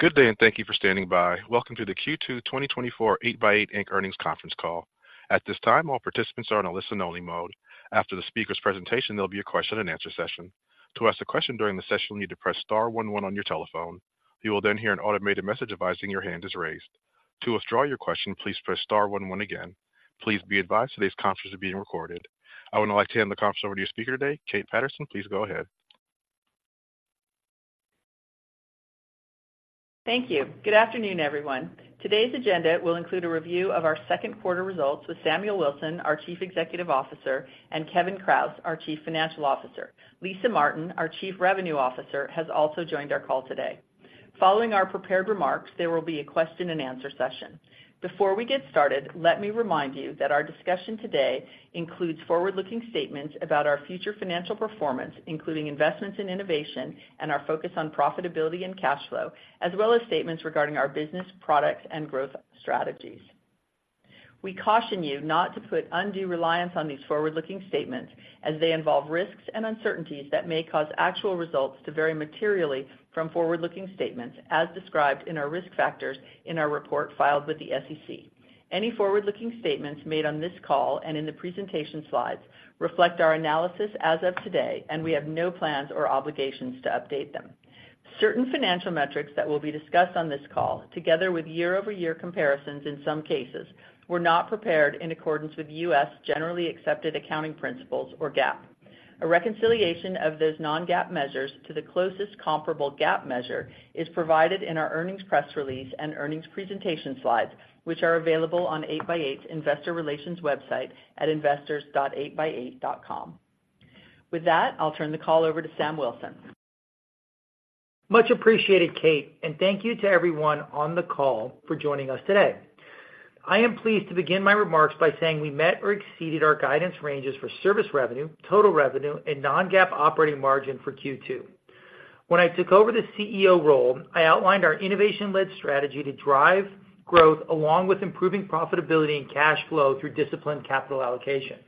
Good day, and thank you for standing by. Welcome to the Q2 2024 8x8, Inc. Earnings Conference Call. At this time, all participants are in a listen-only mode. After the speaker's presentation, there'll be a question-and-answer session. To ask a question during the session, you need to press star one one on your telephone. You will then hear an automated message advising your hand is raised. To withdraw your question, please press star one one again. Please be advised, today's conference is being recorded. I would now like to hand the conference over to your speaker today, Kate Patterson. Please go ahead. Thank you. Good afternoon, everyone. Today's agenda will include a review of our second quarter results with Samuel Wilson, our Chief Executive Officer, and Kevin Kraus, our Chief Financial Officer. Lisa Martin, our Chief Revenue Officer, has also joined our call today. Following our prepared remarks, there will be a question-and-answer session. Before we get started, let me remind you that our discussion today includes forward-looking statements about our future financial performance, including investments in innovation and our focus on profitability and cash flow, as well as statements regarding our business, products, and growth strategies. We caution you not to put undue reliance on these forward-looking statements as they involve risks and uncertainties that may cause actual results to vary materially from forward-looking statements as described in our risk factors in our report filed with the SEC. Any forward-looking statements made on this call and in the presentation slides reflect our analysis as of today, and we have no plans or obligations to update them. Certain financial metrics that will be discussed on this call, together with year-over-year comparisons in some cases, were not prepared in accordance with U.S. generally accepted accounting principles, or GAAP. A reconciliation of those non-GAAP measures to the closest comparable GAAP measure is provided in our earnings press release and earnings presentation slides, which are available on 8x8's investor relations website at investors.8x8.com. With that, I'll turn the call over to Sam Wilson. Much appreciated, Kate, and thank you to everyone on the call for joining us today. I am pleased to begin my remarks by saying we met or exceeded our guidance ranges for service revenue, total revenue, and non-GAAP operating margin for Q2. When I took over the CEO role, I outlined our innovation-led strategy to drive growth along with improving profitability and cash flow through disciplined capital allocation.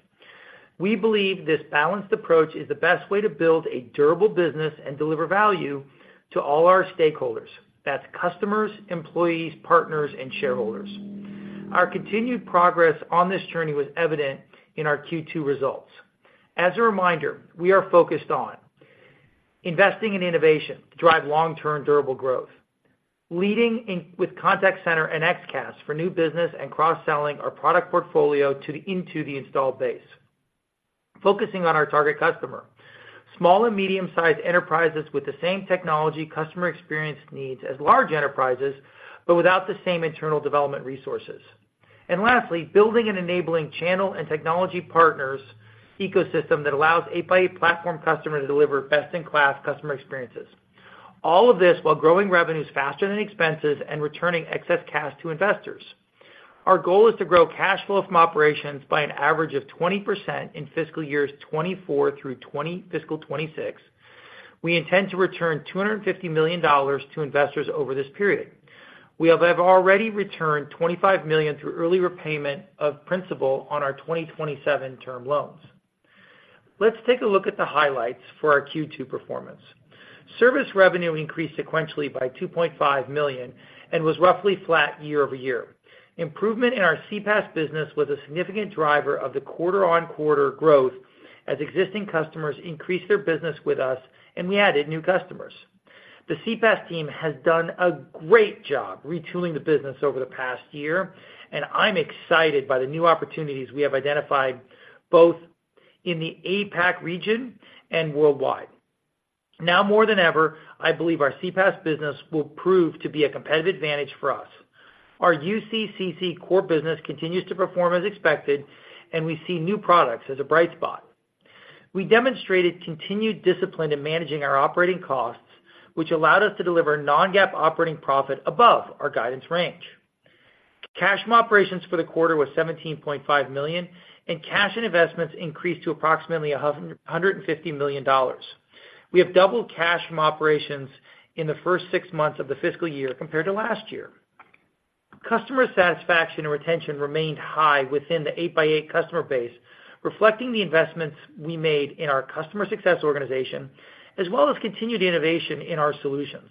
We believe this balanced approach is the best way to build a durable business and deliver value to all our stakeholders. That's customers, employees, partners, and shareholders. Our continued progress on this journey was evident in our Q2 results. As a reminder, we are focused on investing in innovation to drive long-term durable growth, leading in with contact center and XCaaS for new business and cross-selling our product portfolio into the installed base. Focusing on our target customer, small and medium-sized enterprises with the same technology customer experience needs as large enterprises, but without the same internal development resources. And lastly, building an enabling channel and technology partners ecosystem that allows 8x8 platform customers to deliver best-in-class customer experiences. All of this while growing revenues faster than expenses and returning excess cash to investors. Our goal is to grow cash flow from operations by an average of 20% in fiscal years 2024 through 2026. We intend to return $250 million to investors over this period. We have already returned $25 million through early repayment of principal on our 2027 term loans. Let's take a look at the highlights for our Q2 performance. Service revenue increased sequentially by $2.5 million and was roughly flat year over year. Improvement in our CPaaS business was a significant driver of the quarter-on-quarter growth as existing customers increased their business with us, and we added new customers. The CPaaS team has done a great job retooling the business over the past year, and I'm excited by the new opportunities we have identified, both in the APAC region and worldwide. Now more than ever, I believe our CPaaS business will prove to be a competitive advantage for us. Our UCaaS core business continues to perform as expected, and we see new products as a bright spot. We demonstrated continued discipline in managing our operating costs, which allowed us to deliver non-GAAP operating profit above our guidance range. Cash from operations for the quarter was $17.5 million, and cash and investments increased to approximately $150 million. We have doubled cash from operations in the first six months of the fiscal year compared to last year. Customer satisfaction and retention remained high within the 8x8 customer base, reflecting the investments we made in our customer success organization, as well as continued innovation in our solutions.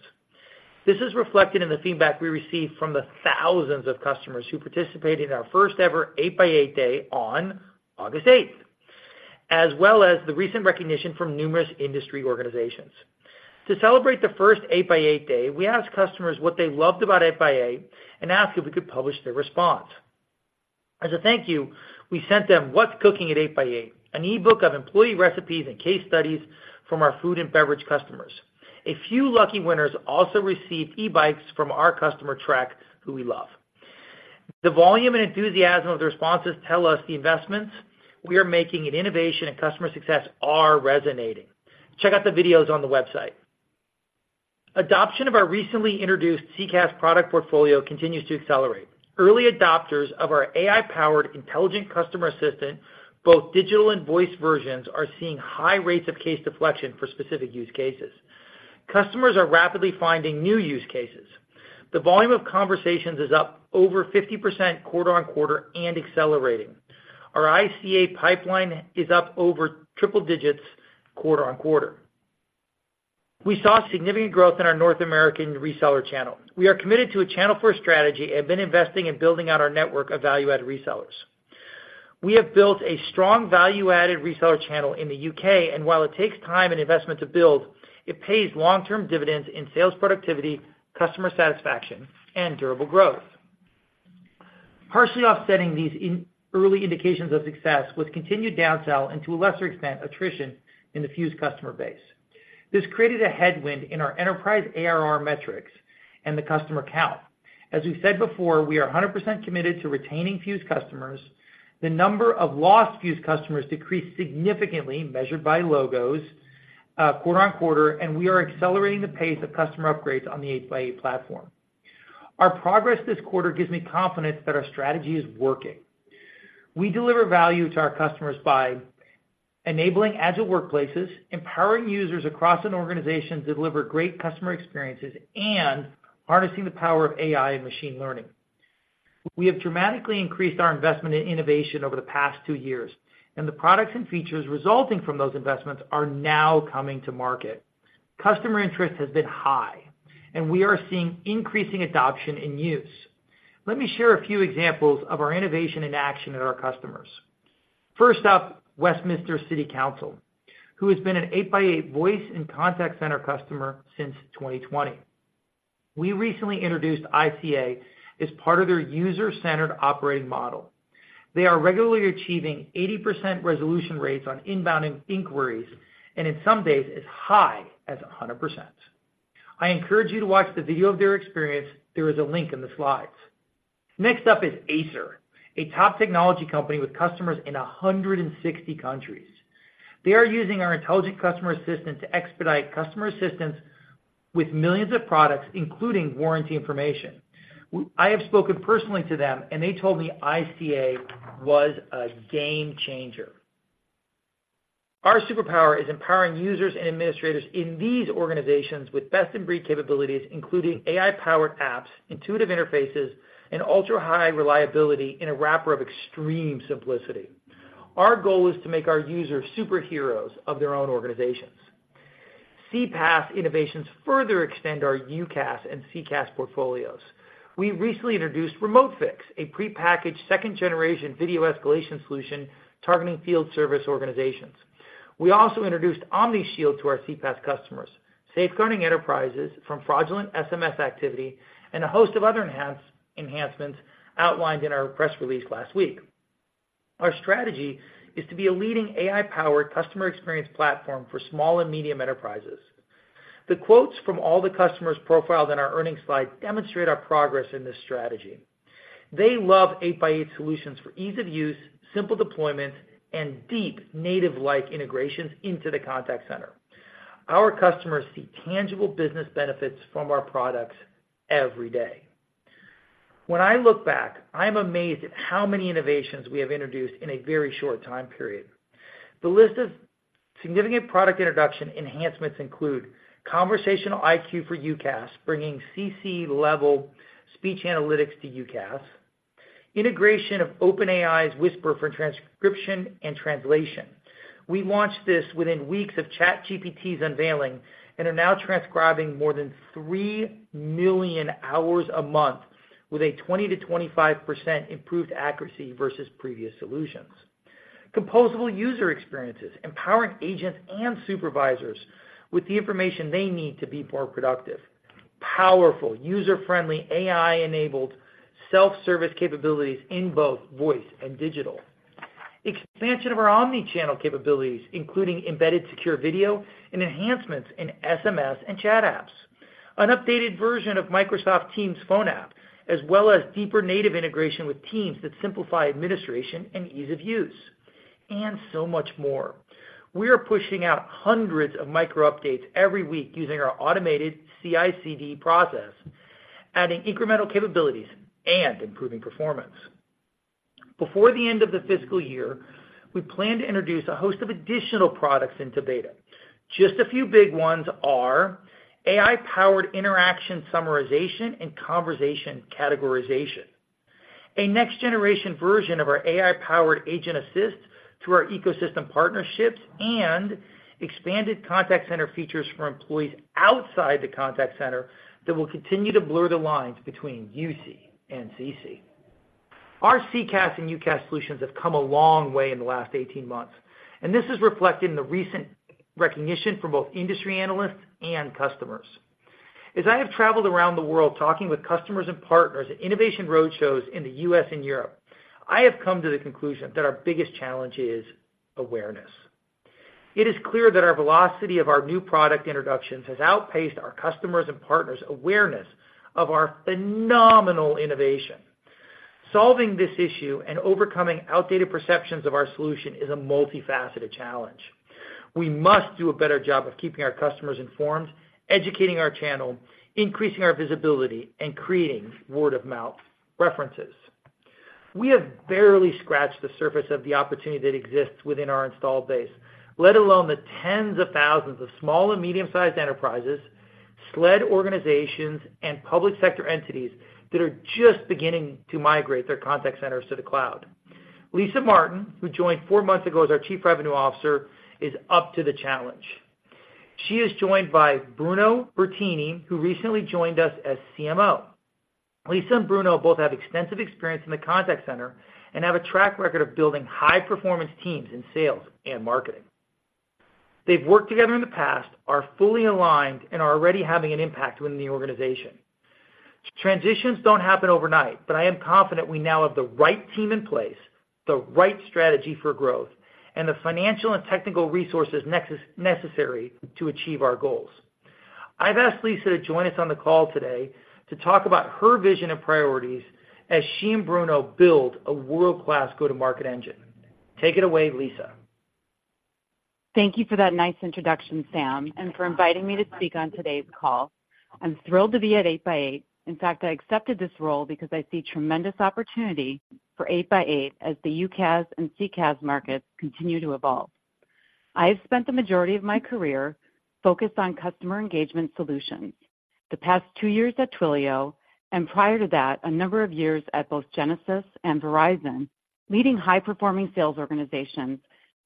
This is reflected in the feedback we received from the thousands of customers who participated in our first-ever 8x8 Day on August 8th, as well as the recent recognition from numerous industry organizations. To celebrate the first 8x8 Day, we asked customers what they loved about 8x8 and asked if we could publish their response. As a thank you, we sent them What's Cooking at 8x8, an e-book of employee recipes and case studies from our food and beverage customers. A few lucky winners also received e-bikes from our customer, Trek, who we love. The volume and enthusiasm of the responses tell us the investments we are making in innovation and customer success are resonating. Check out the videos on the website. Adoption of our recently introduced CCaaS product portfolio continues to accelerate. Early adopters of our AI-powered Intelligent Customer Assistant, both digital and voice versions, are seeing high rates of case deflection for specific use cases. Customers are rapidly finding new use cases... The volume of conversations is up over 50% quarter-over-quarter and accelerating. Our ICA pipeline is up over triple digits quarter-over-quarter. We saw significant growth in our North American reseller channel. We are committed to a channel-first strategy and have been investing in building out our network of value-added resellers. We have built a strong value-added reseller channel in the U.K., and while it takes time and investment to build, it pays long-term dividends in sales productivity, customer satisfaction, and durable growth. Partially offsetting these are early indications of success with continued downsell, and to a lesser extent, attrition in the Fuze customer base. This created a headwind in our enterprise ARR metrics and the customer count. As we've said before, we are 100% committed to retaining Fuze customers. The number of lost Fuze customers decreased significantly, measured by logos, quarter on quarter, and we are accelerating the pace of customer upgrades on the 8x8 platform. Our progress this quarter gives me confidence that our strategy is working. We deliver value to our customers by enabling agile workplaces, empowering users across an organization to deliver great customer experiences, and harnessing the power of AI and machine learning. We have dramatically increased our investment in innovation over the past two years, and the products and features resulting from those investments are now coming to market. Customer interest has been high, and we are seeing increasing adoption in use. Let me share a few examples of our innovation in action at our customers. First up, Westminster City Council, who has been an 8x8 voice and contact center customer since 2020. We recently introduced ICA as part of their user-centered operating model. They are regularly achieving 80% resolution rates on inbound inquiries, and in some days, as high as 100%. I encourage you to watch the video of their experience. There is a link in the slides. Next up is Acer, a top technology company with customers in 160 countries. They are using our Intelligent Customer Assistant to expedite customer assistance with millions of products, including warranty information. I have spoken personally to them, and they told me ICA was a game changer. Our superpower is empowering users and administrators in these organizations with best-in-breed capabilities, including AI-powered apps, intuitive interfaces, and ultra-high reliability in a wrapper of extreme simplicity. Our goal is to make our users superheroes of their own organizations. CPaaS innovations further extend our UCaaS and CCaaS portfolios. We recently introduced Remote Fix, a prepackaged second-generation video escalation solution targeting field service organizations. We also introduced Omni Shield to our CPaaS customers, safeguarding enterprises from fraudulent SMS activity and a host of other enhancements outlined in our press release last week. Our strategy is to be a leading AI-powered customer experience platform for small and medium enterprises. The quotes from all the customers profiled in our earnings slide demonstrate our progress in this strategy. They love 8x8 solutions for ease of use, simple deployment, and deep native-like integrations into the contact center. Our customers see tangible business benefits from our products every day. When I look back, I'm amazed at how many innovations we have introduced in a very short time period. The list of significant product introduction enhancements include Conversational IQ for UCaaS, bringing CC-level speech analytics to UCaaS. Integration of OpenAI's Whisper for transcription and translation. We launched this within weeks of ChatGPT's unveiling and are now transcribing more than 3 million hours a month with a 20%-25% improved accuracy versus previous solutions. Composable user experiences, empowering agents and supervisors with the information they need to be more productive. Powerful, user-friendly, AI-enabled self-service capabilities in both voice and digital. Expansion of our omni-channel capabilities, including embedded secure video and enhancements in SMS and chat apps. An updated version of Microsoft Teams Phone app, as well as deeper native integration with Teams that simplify administration and ease of use, and so much more. We are pushing out hundreds of micro updates every week using our automated CI/CD process, adding incremental capabilities and improving performance. Before the end of the fiscal year, we plan to introduce a host of additional products into beta. Just a few big ones are AI-powered interaction summarization and conversation categorization, a next-generation version of our AI-powered Agent Assist through our ecosystem partnerships, and expanded contact center features for employees outside the contact center that will continue to blur the lines between UC and CC. Our CCaaS and UCaaS solutions have come a long way in the last 18 months, and this is reflected in the recent recognition from both industry analysts and customers. As I have traveled around the world talking with customers and partners at innovation roadshows in the U.S. and Europe, I have come to the conclusion that our biggest challenge is awareness. It is clear that our velocity of our new product introductions has outpaced our customers' and partners' awareness of our phenomenal innovation. Solving this issue and overcoming outdated perceptions of our solution is a multifaceted challenge. We must do a better job of keeping our customers informed, educating our channel, increasing our visibility, and creating word-of-mouth references. We have barely scratched the surface of the opportunity that exists within our installed base, let alone the tens of thousands of small and medium-sized enterprises, SLED organizations, and public sector entities that are just beginning to migrate their contact centers to the cloud. Lisa Martin, who joined four months ago as our Chief Revenue Officer, is up to the challenge. She is joined by Bruno Bertini, who recently joined us as CMO. Lisa and Bruno both have extensive experience in the contact center and have a track record of building high-performance teams in sales and marketing. They've worked together in the past, are fully aligned, and are already having an impact within the organization. Transitions don't happen overnight, but I am confident we now have the right team in place, the right strategy for growth, and the financial and technical resources necessary to achieve our goals. I've asked Lisa to join us on the call today to talk about her vision and priorities as she and Bruno build a world-class go-to-market engine. Take it away, Lisa. Thank you for that nice introduction, Sam, and for inviting me to speak on today's call. I'm thrilled to be at 8x8. In fact, I accepted this role because I see tremendous opportunity for 8x8 as the UCaaS and CCaaS markets continue to evolve. I have spent the majority of my career focused on customer engagement solutions. The past two years at Twilio, and prior to that, a number of years at both Genesys and Verizon, leading high-performing sales organizations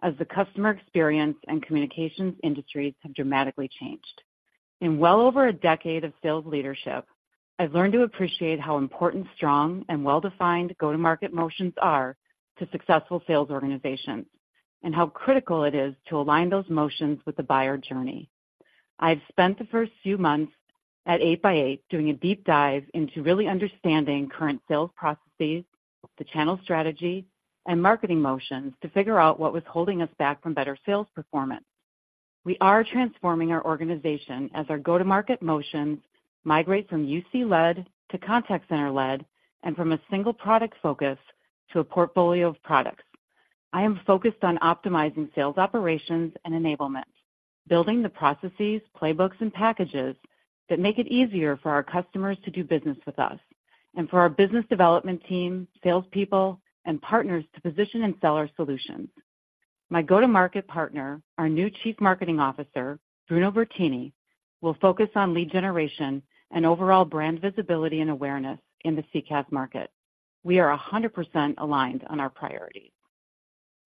as the customer experience and communications industries have dramatically changed. In well over a decade of sales leadership, I've learned to appreciate how important, strong, and well-defined go-to-market motions are to successful sales organizations, and how critical it is to align those motions with the buyer journey. I've spent the first few months at 8x8 doing a deep dive into really understanding current sales processes, the channel strategy, and marketing motions to figure out what was holding us back from better sales performance. We are transforming our organization as our go-to-market motions migrate from UC-led to contact center-led, and from a single product focus to a portfolio of products. I am focused on optimizing sales operations and enablement, building the processes, playbooks, and packages that make it easier for our customers to do business with us, and for our business development team, salespeople, and partners to position and sell our solutions. My go-to-market partner, our new chief marketing officer, Bruno Bertini, will focus on lead generation and overall brand visibility and awareness in the CCaaS market. We are 100% aligned on our priorities.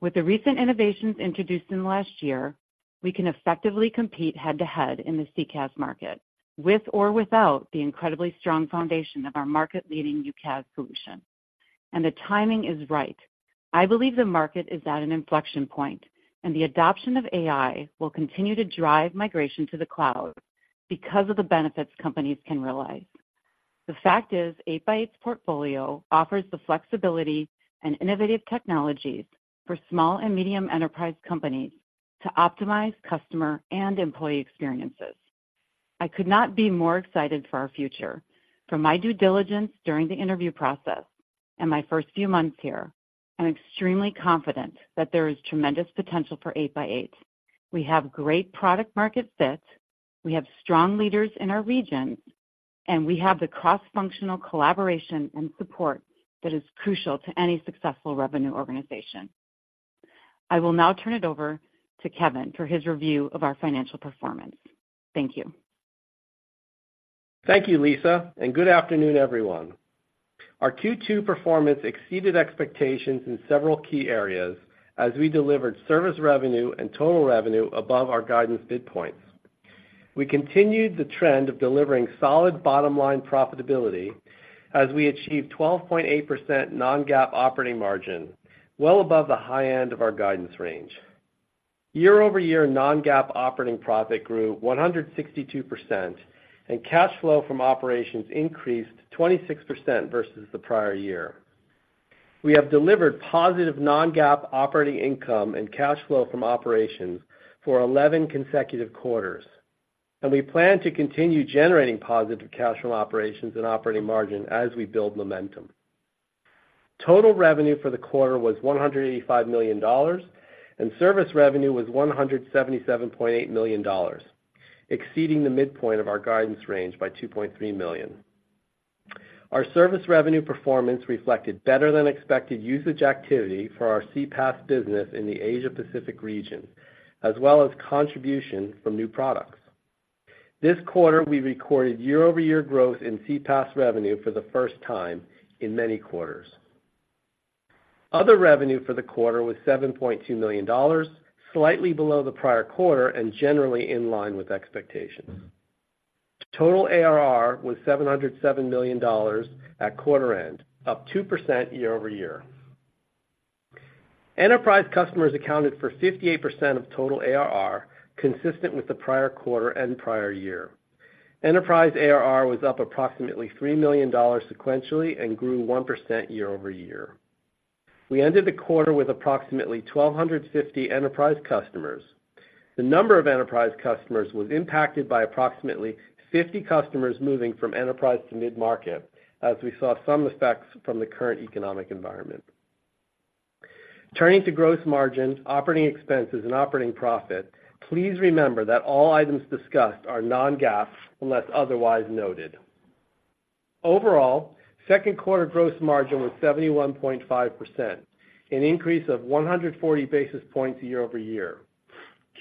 With the recent innovations introduced in the last year, we can effectively compete head-to-head in the CCaaS market, with or without the incredibly strong foundation of our market-leading UCaaS solution. The timing is right. I believe the market is at an inflection point, and the adoption of AI will continue to drive migration to the cloud because of the benefits companies can realize. The fact is, 8x8's portfolio offers the flexibility and innovative technologies for small and medium enterprise companies to optimize customer and employee experiences. I could not be more excited for our future. From my due diligence during the interview process and my first few months here, I'm extremely confident that there is tremendous potential for 8x8. We have great product-market fit, we have strong leaders in our regions, and we have the cross-functional collaboration and support that is crucial to any successful revenue organization. I will now turn it over to Kevin for his review of our financial performance. Thank you. Thank you, Lisa, and good afternoon, everyone. Our Q2 performance exceeded expectations in several key areas as we delivered service revenue and total revenue above our guidance midpoint. We continued the trend of delivering solid bottom-line profitability as we achieved 12.8% non-GAAP operating margin, well above the high end of our guidance range. Year-over-year non-GAAP operating profit grew 162%, and cash flow from operations increased 26% versus the prior year. We have delivered positive non-GAAP operating income and cash flow from operations for 11 consecutive quarters, and we plan to continue generating positive cash flow operations and operating margin as we build momentum. Total revenue for the quarter was $185 million, and service revenue was $177.8 million, exceeding the midpoint of our guidance range by $2.3 million. Our service revenue performance reflected better than expected usage activity for our CPaaS business in the Asia Pacific region, as well as contribution from new products. This quarter, we recorded year-over-year growth in CPaaS revenue for the first time in many quarters. Other revenue for the quarter was $7.2 million, slightly below the prior quarter and generally in line with expectations. Total ARR was $707 million at quarter end, up 2% year over year. Enterprise customers accounted for 58% of total ARR, consistent with the prior quarter and prior year. Enterprise ARR was up approximately $3 million sequentially and grew 1% year over year. We ended the quarter with approximately 1,250 enterprise customers. The number of enterprise customers was impacted by approximately 50 customers moving from enterprise to mid-market, as we saw some effects from the current economic environment. Turning to gross margin, operating expenses, and operating profit, please remember that all items discussed are non-GAAP, unless otherwise noted. Overall, second quarter gross margin was 71.5%, an increase of 140 basis points year over year.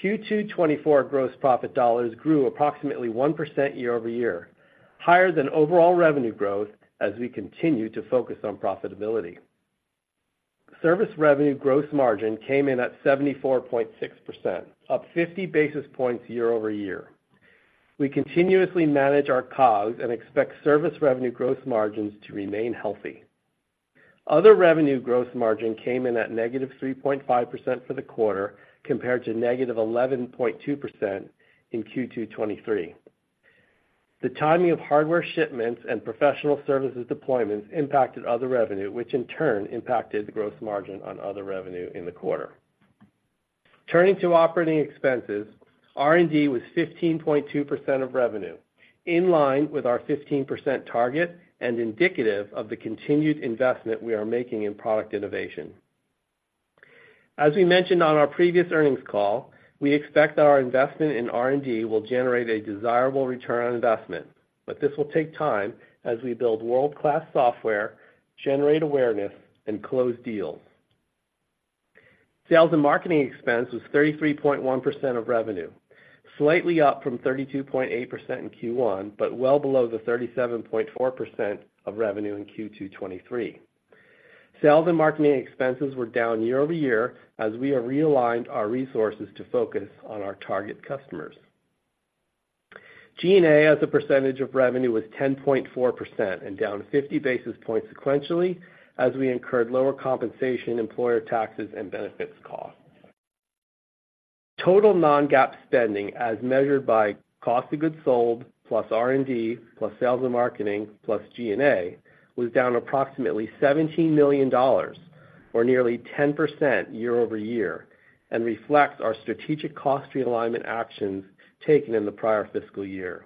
Q2 2024 gross profit dollars grew approximately 1% year over year, higher than overall revenue growth as we continue to focus on profitability. Service revenue gross margin came in at 74.6%, up 50 basis points year over year. We continuously manage our COGS and expect service revenue gross margins to remain healthy. Other revenue gross margin came in at -3.5% for the quarter, compared to -11.2% in Q2 2023. The timing of hardware shipments and professional services deployments impacted other revenue, which in turn impacted the gross margin on other revenue in the quarter. Turning to operating expenses, R&D was 15.2% of revenue, in line with our 15% target and indicative of the continued investment we are making in product innovation. As we mentioned on our previous earnings call, we expect that our investment in R&D will generate a desirable return on investment, but this will take time as we build world-class software, generate awareness, and close deals. Sales and marketing expense was 33.1% of revenue, slightly up from 32.8% in Q1, but well below the 37.4% of revenue in Q2 2023. Sales and marketing expenses were down year over year, as we have realigned our resources to focus on our target customers. G&A, as a percentage of revenue, was 10.4% and down 50 basis points sequentially as we incurred lower compensation, employer taxes, and benefits costs. Total non-GAAP spending, as measured by cost of goods sold, plus R&D, plus sales and marketing, plus G&A, was down approximately $17 million or nearly 10% year-over-year, and reflects our strategic cost realignment actions taken in the prior fiscal year.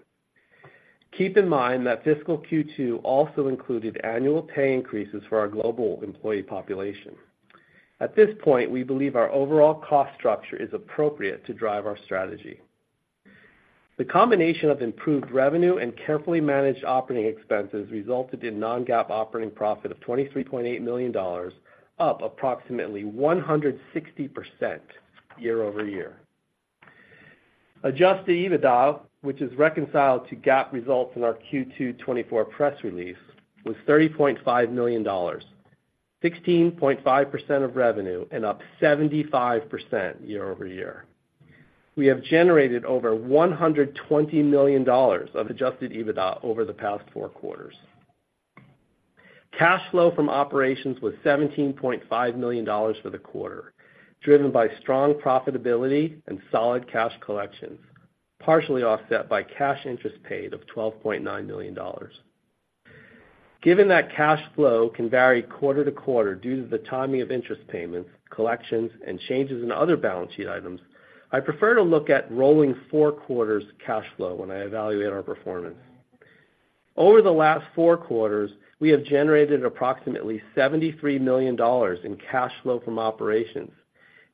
Keep in mind that fiscal Q2 also included annual pay increases for our global employee population. At this point, we believe our overall cost structure is appropriate to drive our strategy. The combination of improved revenue and carefully managed operating expenses resulted in non-GAAP operating profit of $23.8 million, up approximately 160% year-over-year. Adjusted EBITDA, which is reconciled to GAAP results in our Q2 2024 press release, was $30.5 million, 16.5% of revenue and up 75% year-over-year. We have generated over $120 million of adjusted EBITDA over the past four quarters. Cash flow from operations was $17.5 million for the quarter, driven by strong profitability and solid cash collections, partially offset by cash interest paid of $12.9 million. Given that cash flow can vary quarter-to-quarter due to the timing of interest payments, collections, and changes in other balance sheet items, I prefer to look at rolling four quarters cash flow when I evaluate our performance. Over the last 4 quarters, we have generated approximately $73 million in cash flow from operations,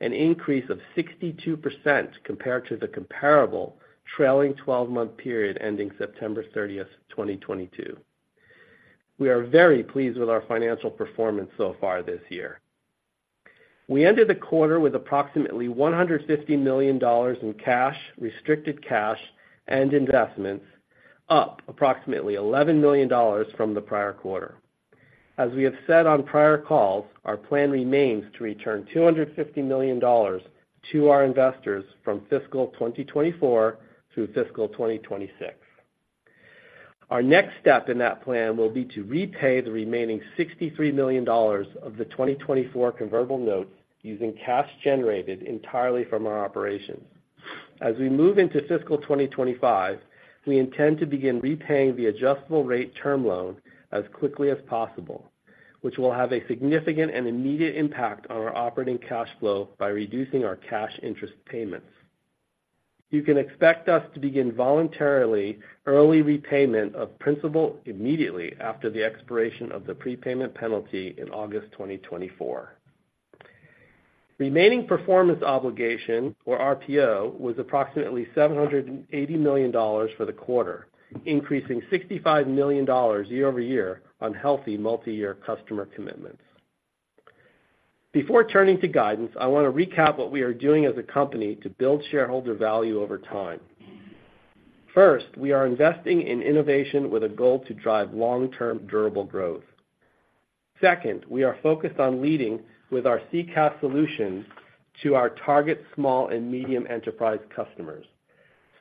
an increase of 62% compared to the comparable trailing 12-month period ending September 30, 2022. We are very pleased with our financial performance so far this year. We ended the quarter with approximately $150 million in cash, restricted cash, and investments, up approximately $11 million from the prior quarter. As we have said on prior calls, our plan remains to return $250 million to our investors from fiscal 2024 through fiscal 2026. Our next step in that plan will be to repay the remaining $63 million of the 2024 convertible notes using cash generated entirely from our operations. As we move into fiscal 2025, we intend to begin repaying the adjustable rate term loan as quickly as possible, which will have a significant and immediate impact on our operating cash flow by reducing our cash interest payments. You can expect us to begin voluntarily early repayment of principal immediately after the expiration of the prepayment penalty in August 2024. Remaining performance obligation, or RPO, was approximately $780 million for the quarter, increasing $65 million year-over-year on healthy multiyear customer commitments. Before turning to guidance, I want to recap what we are doing as a company to build shareholder value over time. First, we are investing in innovation with a goal to drive long-term, durable growth. Second, we are focused on leading with our CCaaS solutions to our target small and medium enterprise customers.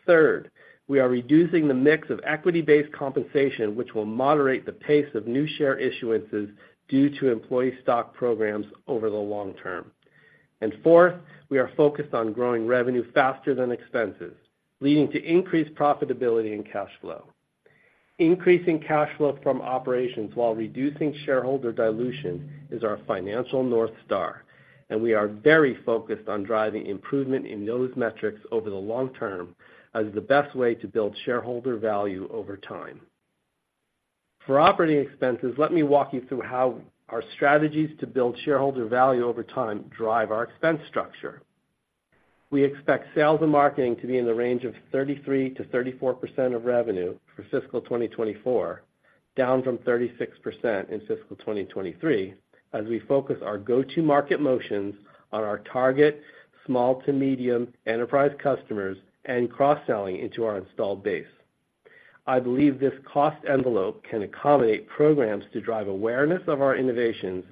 Third, we are reducing the mix of equity-based compensation, which will moderate the pace of new share issuances due to employee stock programs over the long term. And fourth, we are focused on growing revenue faster than expenses, leading to increased profitability and cash flow. Increasing cash flow from operations while reducing shareholder dilution is our financial North Star, and we are very focused on driving improvement in those metrics over the long term as the best way to build shareholder value over time.... For operating expenses, let me walk you through how our strategies to build shareholder value over time drive our expense structure. We expect sales and marketing to be in the range of 33%-34% of revenue for fiscal 2024, down from 36% in fiscal 2023, as we focus our go-to-market motions on our target small to medium enterprise customers and cross-selling into our installed base. I believe this cost envelope can accommodate programs to drive awareness of our innovations,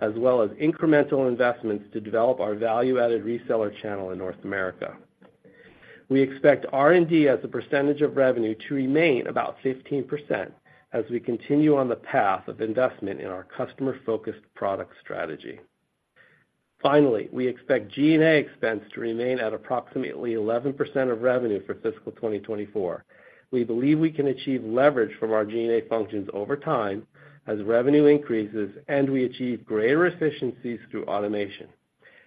as well as incremental investments to develop our value-added reseller channel in North America. We expect R&D as a percentage of revenue to remain about 15%, as we continue on the path of investment in our customer-focused product strategy. Finally, we expect G&A expense to remain at approximately 11% of revenue for fiscal 2024. We believe we can achieve leverage from our G&A functions over time as revenue increases and we achieve greater efficiencies through automation.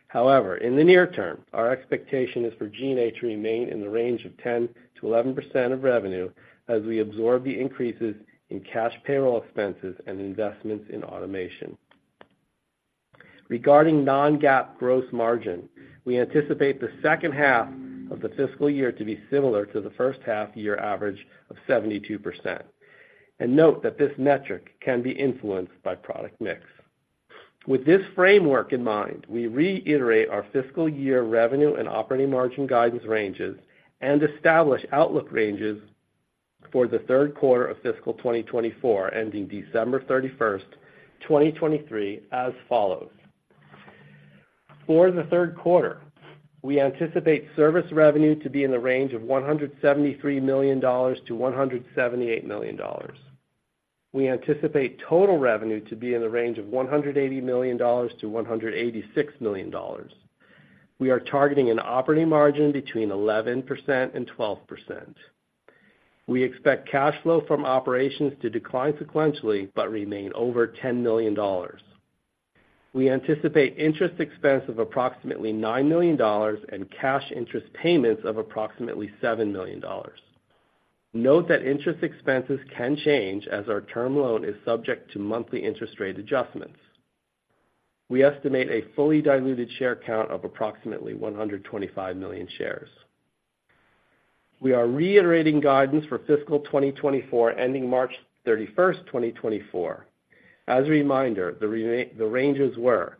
However, in the near term, our expectation is for G&A to remain in the range of 10%-11% of revenue as we absorb the increases in cash payroll expenses and investments in automation. Regarding non-GAAP gross margin, we anticipate the second half of the fiscal year to be similar to the first half year average of 72%. Note that this metric can be influenced by product mix. With this framework in mind, we reiterate our fiscal year revenue and operating margin guidance ranges and establish outlook ranges for the third quarter of fiscal 2024, ending December 31, 2023, as follows: For the third quarter, we anticipate service revenue to be in the range of $173 million-$178 million. We anticipate total revenue to be in the range of $180 million-$186 million. We are targeting an operating margin between 11%-12%. We expect cash flow from operations to decline sequentially, but remain over $10 million. We anticipate interest expense of approximately $9 million and cash interest payments of approximately $7 million. Note that interest expenses can change as our term loan is subject to monthly interest rate adjustments. We estimate a fully diluted share count of approximately 125 million shares. We are reiterating guidance for fiscal 2024, ending March 31, 2024. As a reminder, the ranges were: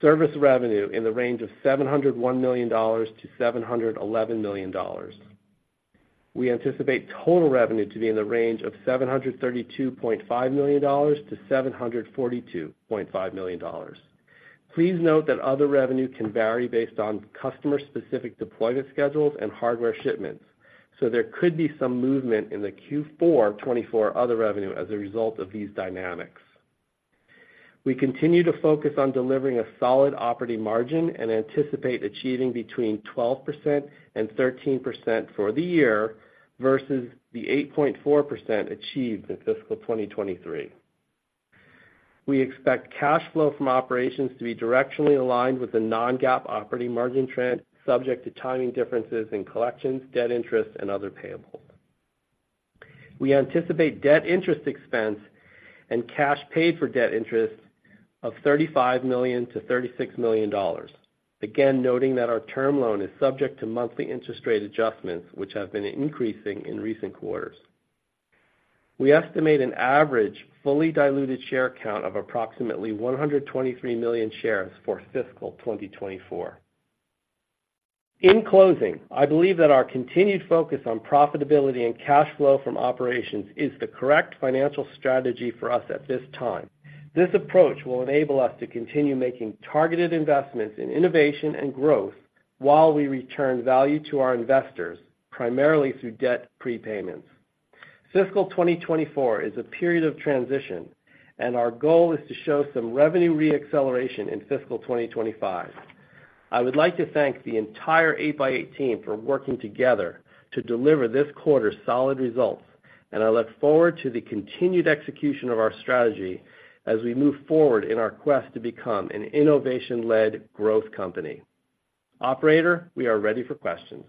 service revenue in the range of $701 million-$711 million. We anticipate total revenue to be in the range of $732.5 million-$742.5 million. Please note that other revenue can vary based on customer-specific deployment schedules and hardware shipments, so there could be some movement in the Q4 2024 other revenue as a result of these dynamics. We continue to focus on delivering a solid operating margin and anticipate achieving between 12% and 13% for the year versus the 8.4% achieved in fiscal 2023. We expect cash flow from operations to be directionally aligned with the non-GAAP operating margin trend, subject to timing differences in collections, debt interest, and other payables. We anticipate debt interest expense and cash paid for debt interest of $35 million-$36 million. Again, noting that our term loan is subject to monthly interest rate adjustments, which have been increasing in recent quarters. We estimate an average fully diluted share count of approximately 123 million shares for fiscal 2024. In closing, I believe that our continued focus on profitability and cash flow from operations is the correct financial strategy for us at this time. This approach will enable us to continue making targeted investments in innovation and growth while we return value to our investors, primarily through debt prepayments. Fiscal 2024 is a period of transition, and our goal is to show some revenue re-acceleration in fiscal 2025. I would like to thank the entire 8x8 for working together to deliver this quarter's solid results, and I look forward to the continued execution of our strategy as we move forward in our quest to become an innovation-led growth company. Operator, we are ready for questions.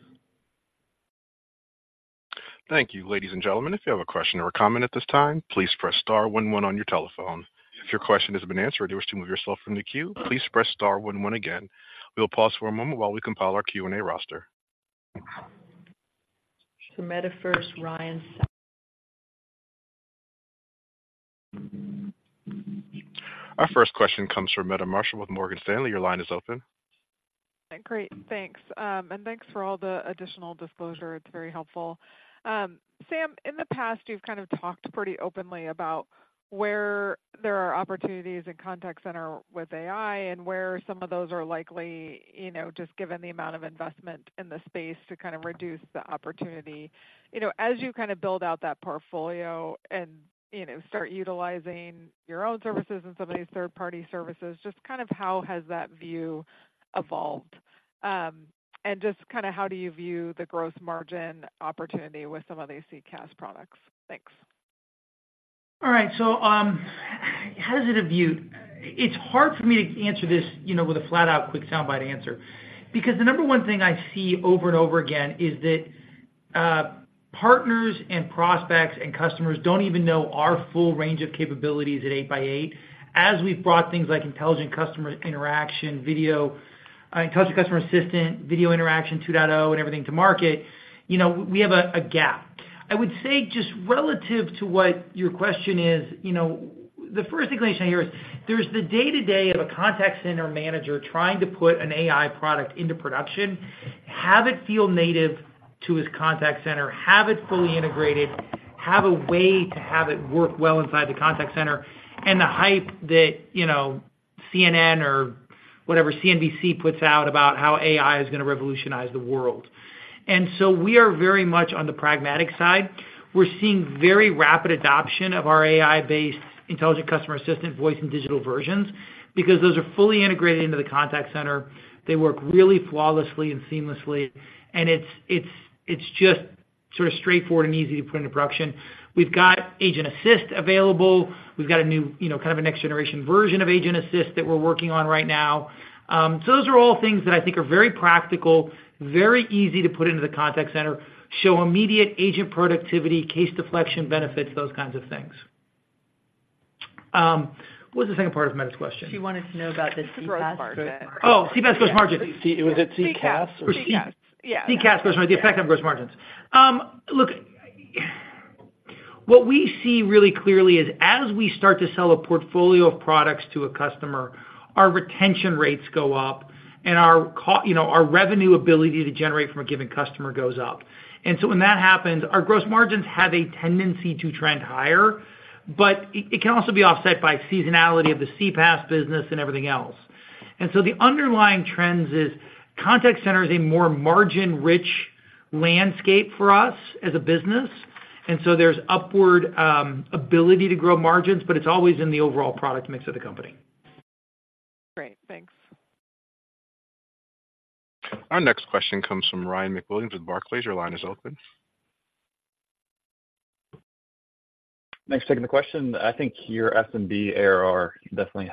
Thank you. Ladies and gentlemen, if you have a question or a comment at this time, please press star one one on your telephone. If your question has been answered, or you wish to move yourself from the queue, please press star one one again. We'll pause for a moment while we compile our Q&A roster. For Meta first, Ryan- Our first question comes from Meta Marshall with Morgan Stanley. Your line is open. Great, thanks. And thanks for all the additional disclosure. It's very helpful. Sam, in the past, you've kind of talked pretty openly about where there are opportunities in contact center with AI and where some of those are likely, you know, just given the amount of investment in the space to kind of reduce the opportunity. You know, as you kind of build out that portfolio and, you know, start utilizing your own services and some of these third-party services, just kind of how has that view evolved? And just kinda how do you view the growth margin opportunity with some of these CCaaS products? Thanks. All right. So, how does it view? It's hard for me to answer this, you know, with a flat out quick soundbite answer, because the number one thing I see over and over again is that, partners and prospects and customers don't even know our full range of capabilities at 8x8. As we've brought things like intelligent customer interaction, video, intelligent customer assistant, Video Interaction 2.0, and everything to market, you know. We have a gap. I would say, just relative to what your question is, you know, the first thing I hear is, there's the day-to-day of a contact center manager trying to put an AI product into production, have it feel native to his contact center, have it fully integrated, have a way to have it work well inside the contact center, and the hype that, you know, CNN or whatever, CNBC puts out about how AI is gonna revolutionize the world. And so we are very much on the pragmatic side. We're seeing very rapid adoption of our AI-based Intelligent Customer Assistant voice and digital versions, because those are fully integrated into the contact center. They work really flawlessly and seamlessly, and it's just sort of straightforward and easy to put into production. We've got Agent Assist available. We've got a new, you know, kind of a next generation version of Agent Assist that we're working on right now. So those are all things that I think are very practical, very easy to put into the contact center, show immediate agent productivity, case deflection, benefits, those kinds of things. What was the second part of Meta's question? She wanted to know about the CPaaS margin. Oh, CPaaS gross margin. Was it CCaaS? CCaaS, yeah. CCaaS gross margin, the effect on gross margins. Look, what we see really clearly is, as we start to sell a portfolio of products to a customer, our retention rates go up and our—you know, our revenue ability to generate from a given customer goes up. And so when that happens, our gross margins have a tendency to trend higher, but it can also be offset by seasonality of the CPaaS business and everything else. And so the underlying trends is, contact center is a more margin-rich landscape for us as a business, and so there's upward ability to grow margins, but it's always in the overall product mix of the company. Great, thanks. Our next question comes from Ryan MacWilliams with Barclays. Your line is open. Thanks for taking the question. I think your SaaS ARR definitely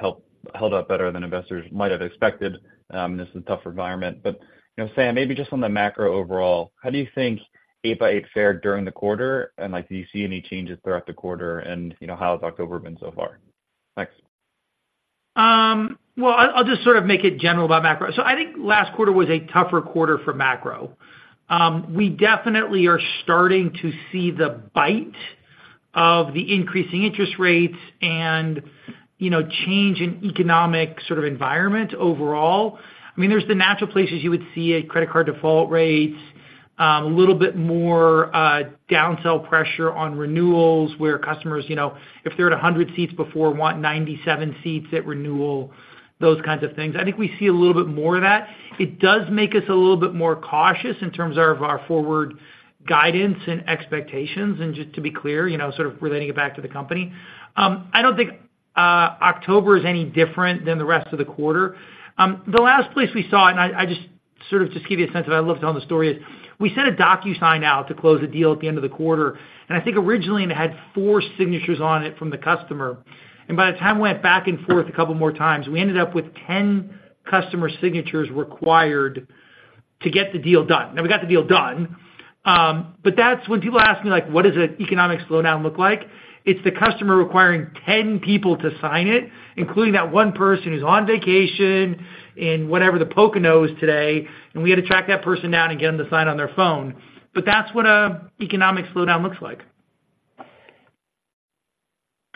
held up better than investors might have expected, this is a tougher environment. But, you know, Sam, maybe just on the macro overall, how do you think 8x8 fared during the quarter? And, like, do you see any changes throughout the quarter? And, you know, how has October been so far? Thanks. Well, I'll just sort of make it general about macro. So I think last quarter was a tougher quarter for macro. We definitely are starting to see the bite of the increasing interest rates and, you know, change in economic sort of environment overall. I mean, there's the natural places you would see a credit card default rates, a little bit more, downsell pressure on renewals, where customers, you know, if they're at 100 seats before, want 97 seats at renewal, those kinds of things. I think we see a little bit more of that. It does make us a little bit more cautious in terms of our forward guidance and expectations, and just to be clear, you know, sort of relating it back to the company. I don't think October is any different than the rest of the quarter. The last place we saw, and I just sort of just give you a sense of it, I love telling the story, is we sent a DocuSign out to close a deal at the end of the quarter, and I think originally, it had 4 signatures on it from the customer. By the time we went back and forth a couple more times, we ended up with 10 customer signatures required to get the deal done. Now, we got the deal done, but that's when people ask me, like, "What does an economic slowdown look like?" It's the customer requiring 10 people to sign it, including that one person who's on vacation in whatever, the Poconos today, and we had to track that person down and get them to sign on their phone. That's what an economic slowdown looks like.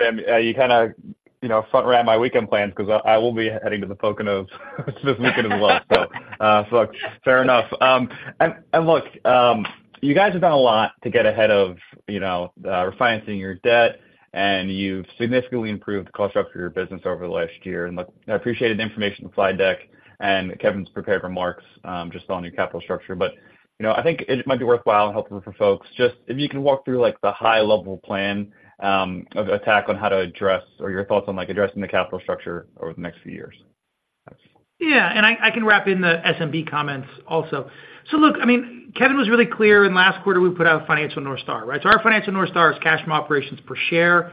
And, you kinda, you know, front-ran my weekend plans, 'cause I will be heading to the Poconos this weekend as well. So, fair enough. And look, you guys have done a lot to get ahead of, you know, refinancing your debt, and you've significantly improved the cost structure of your business over the last year. And look, I appreciated the information slide deck, and Kevin's prepared remarks, just on your capital structure. But, you know, I think it might be worthwhile and helpful for folks, just if you can walk through, like, the high-level plan, of attack on how to address or your thoughts on, like, addressing the capital structure over the next few years. Yeah, and I can wrap in the SMB comments also. So look, I mean, Kevin was really clear in last quarter. We put out a financial North Star, right? So our financial North Star is cash from operations per share.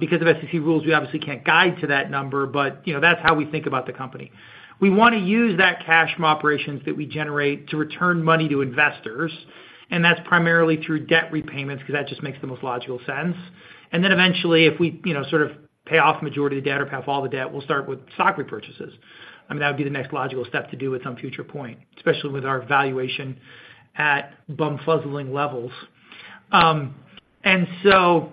Because of SEC rules, we obviously can't guide to that number, but you know, that's how we think about the company. We wanna use that cash from operations that we generate to return money to investors, and that's primarily through debt repayments, because that just makes the most logical sense. And then eventually, if we you know, sort of pay off majority of the debt or pay off all the debt, we'll start with stock repurchases. I mean, that would be the next logical step to do at some future point, especially with our valuation at bumfuzzling levels. And so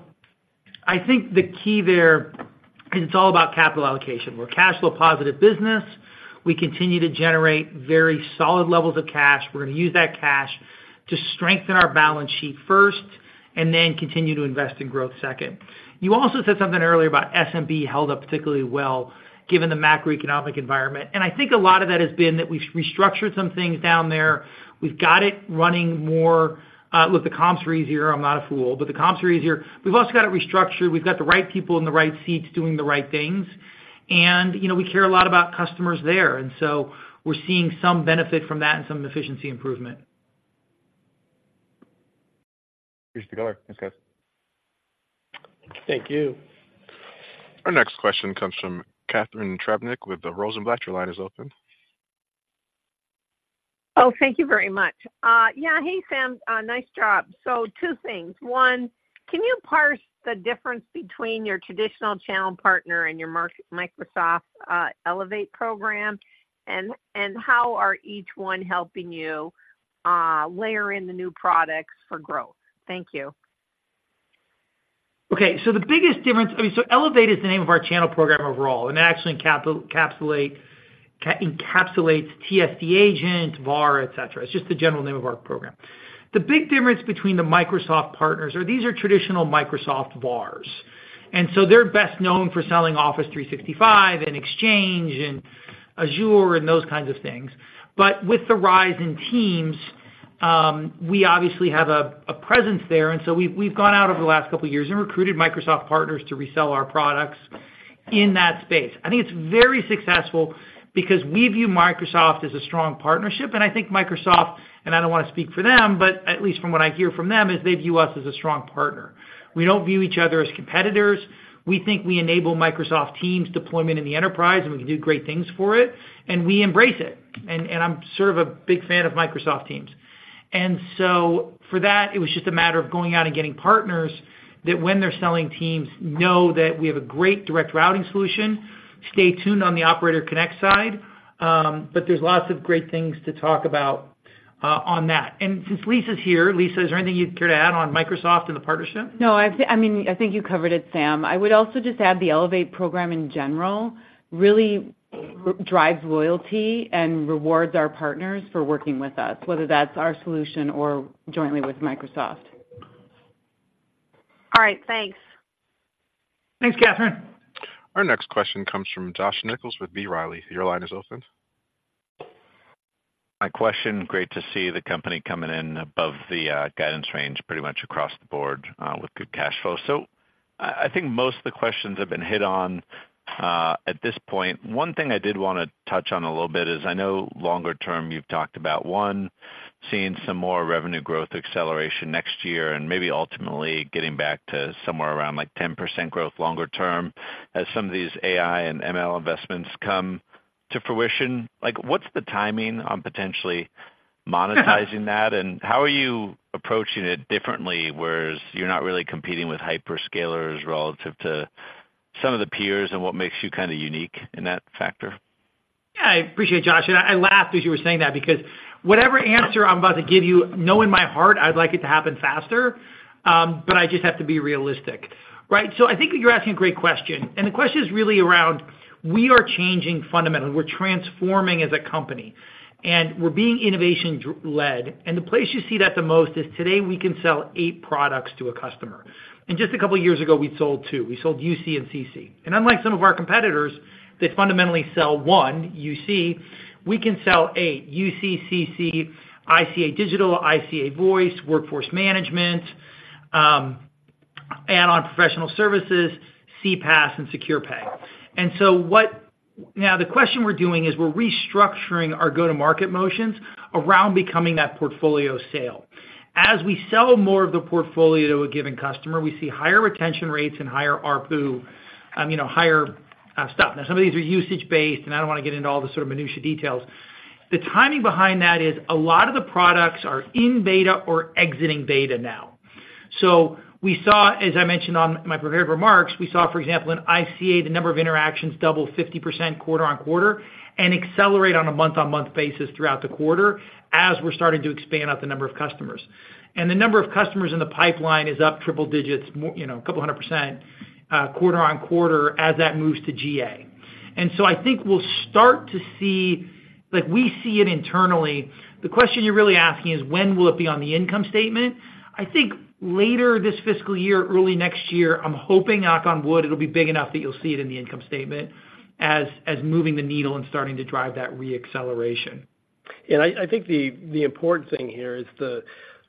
I think the key there, it's all about capital allocation. We're a cash flow positive business. We continue to generate very solid levels of cash. We're gonna use that cash to strengthen our balance sheet first, and then continue to invest in growth second. You also said something earlier about SMB held up particularly well, given the macroeconomic environment, and I think a lot of that has been that we've restructured some things down there. We've got it running more... Look, the comps are easier. I'm not a fool, but the comps are easier. We've also got it restructured. We've got the right people in the right seats doing the right things, and, you know, we care a lot about customers there, and so we're seeing some benefit from that and some efficiency improvement. Thanks, guys. Thank you. Our next question comes from Catharine Trebnick with the Rosenblatt. Your line is open. Oh, thank you very much. Yeah, hey, Sam, nice job. So two things: One, can you parse the difference between your traditional channel partner and your Microsoft Elevate program? And how are each one helping you layer in the new products for growth? Thank you. Okay, so the biggest difference - I mean, so Elevate is the name of our channel program overall, and it actually encapsulates TSD agent, VAR, et cetera. It's just the general name of our program. The big difference between the Microsoft partners are these are traditional Microsoft VARs, and so they're best known for selling Office 365 and Exchange and Azure and those kinds of things. But with the rise in Teams, we obviously have a presence there, and so we've gone out over the last couple of years and recruited Microsoft partners to resell our products in that space. I think it's very successful because we view Microsoft as a strong partnership, and I think Microsoft, and I don't want to speak for them, but at least from what I hear from them, is they view us as a strong partner. We don't view each other as competitors. We think we enable Microsoft Teams deployment in the enterprise, and we can do great things for it, and we embrace it. And, and I'm sort of a big fan of Microsoft Teams. And so for that, it was just a matter of going out and getting partners that when they're selling Teams, know that we have a great Direct Routing solution. Stay tuned on the Operator Connect side, but there's lots of great things to talk about, on that. And since Lisa's here, Lisa, is there anything you'd care to add on Microsoft and the partnership? No, I mean, I think you covered it, Sam. I would also just add the Elevate program, in general, really drives loyalty and rewards our partners for working with us, whether that's our solution or jointly with Microsoft. All right, thanks. Thanks, Catharine. Our next question comes from Josh Nichols with B. Riley. Your line is open. My question, great to see the company coming in above the, guidance range, pretty much across the board, with good cash flow. So I, I think most of the questions have been hit on, at this point. One thing I did want to touch on a little bit is, I know longer term, you've talked about, one, seeing some more revenue growth acceleration next year, and maybe ultimately getting back to somewhere around, like, 10% growth longer term, as some of these AI and ML investments come to fruition. Like, what's the timing on potentially monetizing that, and how are you approaching it differently, whereas you're not really competing with hyperscalers relative to some of the peers, and what makes you kinda unique in that factor? Yeah, I appreciate it, Josh. I laughed as you were saying that because whatever answer I'm about to give you, know in my heart, I'd like it to happen faster, I just have to be realistic, right? I think you're asking a great question, and the question is really around, we are changing fundamentally. We're transforming as a company, and we're being innovation-driven, and the place you see that the most is today, we can sell eight products to a customer. Just a couple of years ago, we sold two: we sold UC and CC. Unlike some of our competitors that fundamentally sell one, UC, we can sell eight: UC, CC, ICA Digital, ICA Voice, Workforce Management, add-on professional services, CPaaS, and Secure Pay. Now, the question we're doing is we're restructuring our go-to-market motions around becoming that portfolio sale. As we sell more of the portfolio to a given customer, we see higher retention rates and higher ARPU, you know, higher stuff. Now, some of these are usage-based, and I don't want to get into all the sort of minutiae details. The timing behind that is a lot of the products are in beta or exiting beta now. So we saw, as I mentioned on my prepared remarks, we saw, for example, in ICA, the number of interactions double 50% quarter-on-quarter, and accelerate on a month-on-month basis throughout the quarter, as we're starting to expand out the number of customers. And the number of customers in the pipeline is up triple digits, more, you know, a couple hundred percent quarter-over-quarter as that moves to GA. And so I think we'll start to see. Like, we see it internally. The question you're really asking is: When will it be on the income statement? I think later this fiscal year, early next year, I'm hoping, knock on wood, it'll be big enough that you'll see it in the income statement as moving the needle and starting to drive that re-acceleration. And I think the important thing here is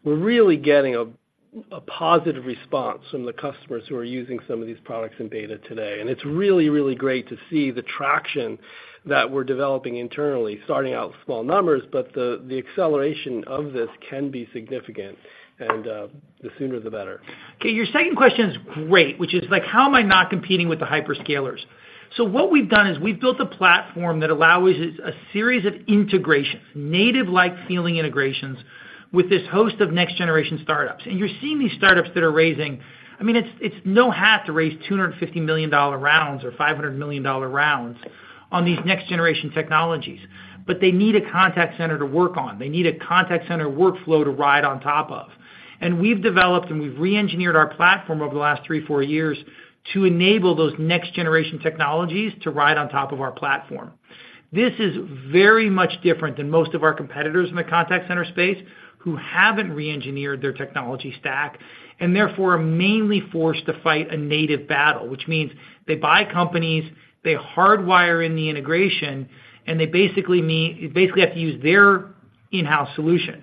we're really getting a positive response from the customers who are using some of these products in beta today. And it's really, really great to see the traction that we're developing internally, starting out with small numbers, but the acceleration of this can be significant, and the sooner, the better. Okay, your second question is great, which is, like, how am I not competing with the hyperscalers? So what we've done is we've built a platform that allows a series of integrations, native-like feeling integrations, with this host of next-generation startups. And you're seeing these startups that are raising—I mean, it's no feat to raise $250 million rounds or $500 million rounds on these next-generation technologies. But they need a contact center to work on. They need a contact center workflow to ride on top of. And we've developed, and we've reengineered our platform over the last 3, 4 years to enable those next-generation technologies to ride on top of our platform. This is very much different than most of our competitors in the contact center space, who haven't reengineered their technology stack, and therefore, are mainly forced to fight a native battle, which means they buy companies, they hardwire in the integration, and they basically have to use their in-house solution.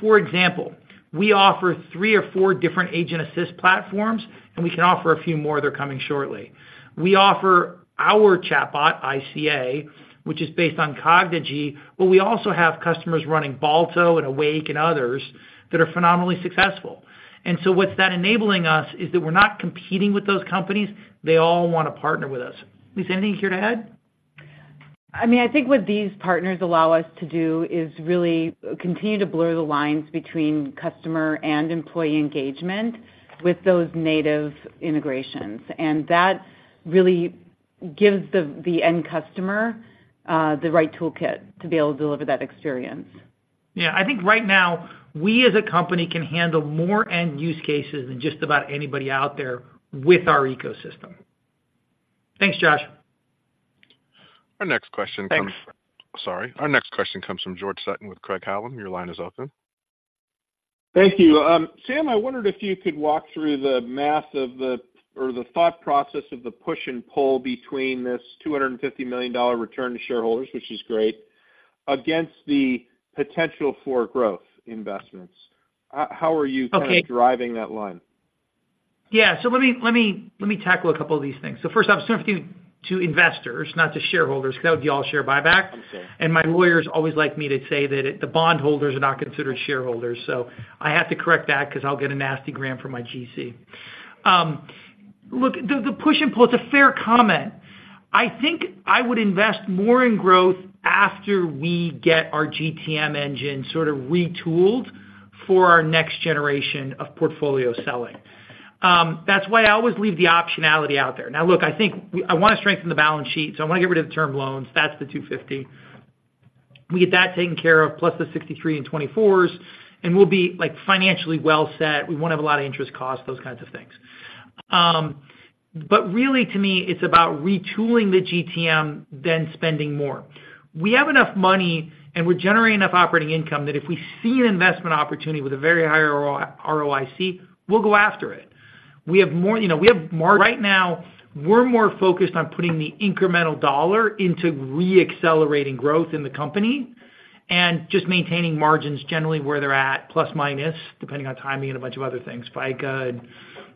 For example, we offer three or four different Agent Assist platforms, and we can offer a few more. They're coming shortly. We offer our chatbot, ICA, which is based on Cognigy, but we also have customers running Balto and Awaken and others that are phenomenally successful. And so what's that enabling us is that we're not competing with those companies. They all wanna partner with us. Lisa, anything you care to add? I mean, I think what these partners allow us to do is really continue to blur the lines between customer and employee engagement with those native integrations, and that really gives the end customer the right toolkit to be able to deliver that experience. Yeah, I think right now, we, as a company, can handle more end use cases than just about anybody out there with our ecosystem. Thanks, Josh. Our next question comes- Thanks. Sorry. Our next question comes from George Sutton with Craig-Hallum. Your line is open. Thank you. Sam, I wondered if you could walk through the math of the or the thought process of the push and pull between this $250 million return to shareholders, which is great, against the potential for growth investments. How are you- Okay. kind of driving that line? Yeah. So let me tackle a couple of these things. So first off, it's $70 to investors, not to shareholders, because that would be all share buyback. Okay. My lawyers always like me to say that it... The bondholders are not considered shareholders, so I have to correct that 'cause I'll get a nasty gram from my GC. Look, the push and pull, it's a fair comment. I think I would invest more in growth after we get our GTM engine sort of retooled for our next generation of portfolio selling. That's why I always leave the optionality out there. Now, look, I think we-- I wanna strengthen the balance sheet, so I wanna get rid of the term loans. That's the $250. We get that taken care of, plus the $63 and $24, and we'll be, like, financially well set. We won't have a lot of interest costs, those kinds of things. Really, to me, it's about retooling the GTM, then spending more. We have enough money, and we're generating enough operating income, that if we see an investment opportunity with a very high ROI, ROIC, we'll go after it. We have more, you know. Right now, we're more focused on putting the incremental dollar into re-accelerating growth in the company and just maintaining margins generally where they're at, plus, minus, depending on timing and a bunch of other things, FICA,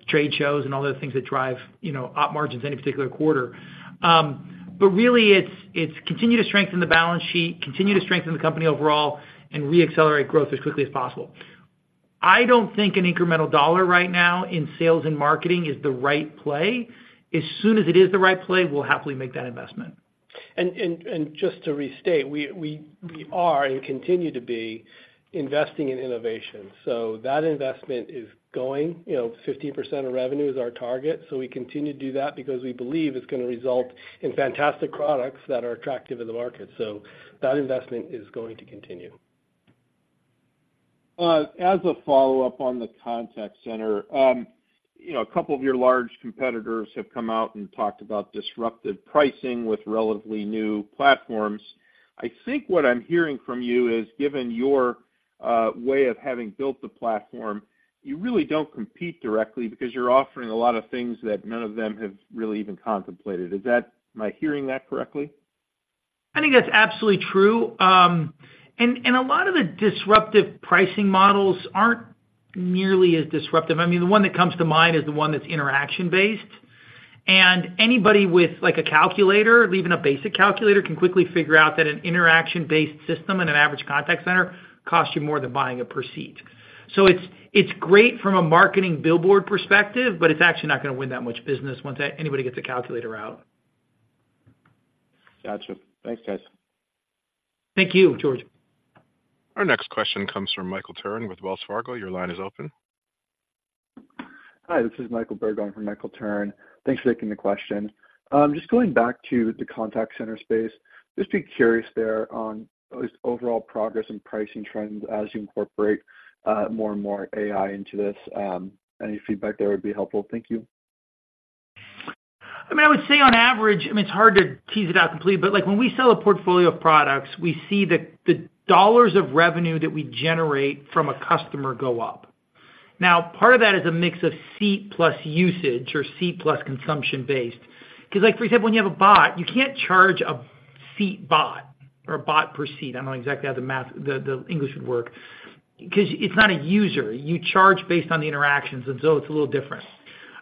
trade shows, and all those things that drive, you know, op margins any particular quarter. But really, it's continue to strengthen the balance sheet, continue to strengthen the company overall, and re-accelerate growth as quickly as possible. I don't think an incremental dollar right now in sales and marketing is the right play. As soon as it is the right play, we'll happily make that investment. And just to restate, we are and continue to be investing in innovation. So that investment is going, you know, 15% of revenue is our target, so we continue to do that because we believe it's gonna result in fantastic products that are attractive in the market. So that investment is going to continue. As a follow-up on the contact center, you know, a couple of your large competitors have come out and talked about disruptive pricing with relatively new platforms. I think what I'm hearing from you is, given your way of having built the platform, you really don't compete directly because you're offering a lot of things that none of them have really even contemplated. Is that... Am I hearing that correctly? I think that's absolutely true. And a lot of the disruptive pricing models aren't nearly as disruptive. I mean, the one that comes to mind is the one that's interaction-based. Anybody with, like, a calculator, even a basic calculator, can quickly figure out that an interaction-based system in an average contact center costs you more than buying it per seat. So it's great from a marketing billboard perspective, but it's actually not gonna win that much business once anybody gets a calculator out. Gotcha. Thanks, guys. Thank you, George. Our next question comes from Michael Turrin with Wells Fargo. Your line is open. Hi, this is Michael Berg on for Michael Turrin. Thanks for taking the question. Just going back to the contact center space, just be curious there on those overall progress and pricing trends as you incorporate more and more AI into this. Any feedback there would be helpful. Thank you. I mean, I would say on average, I mean, it's hard to tease it out completely, but, like, when we sell a portfolio of products, we see the dollars of revenue that we generate from a customer go up. Now, part of that is a mix of seat plus usage or seat plus consumption-based. 'Cause like, for example, when you have a bot, you can't charge a seat bot or a bot per seat. I don't know exactly how the math, the English would work. 'Cause it's not a user. You charge based on the interactions, and so it's a little different.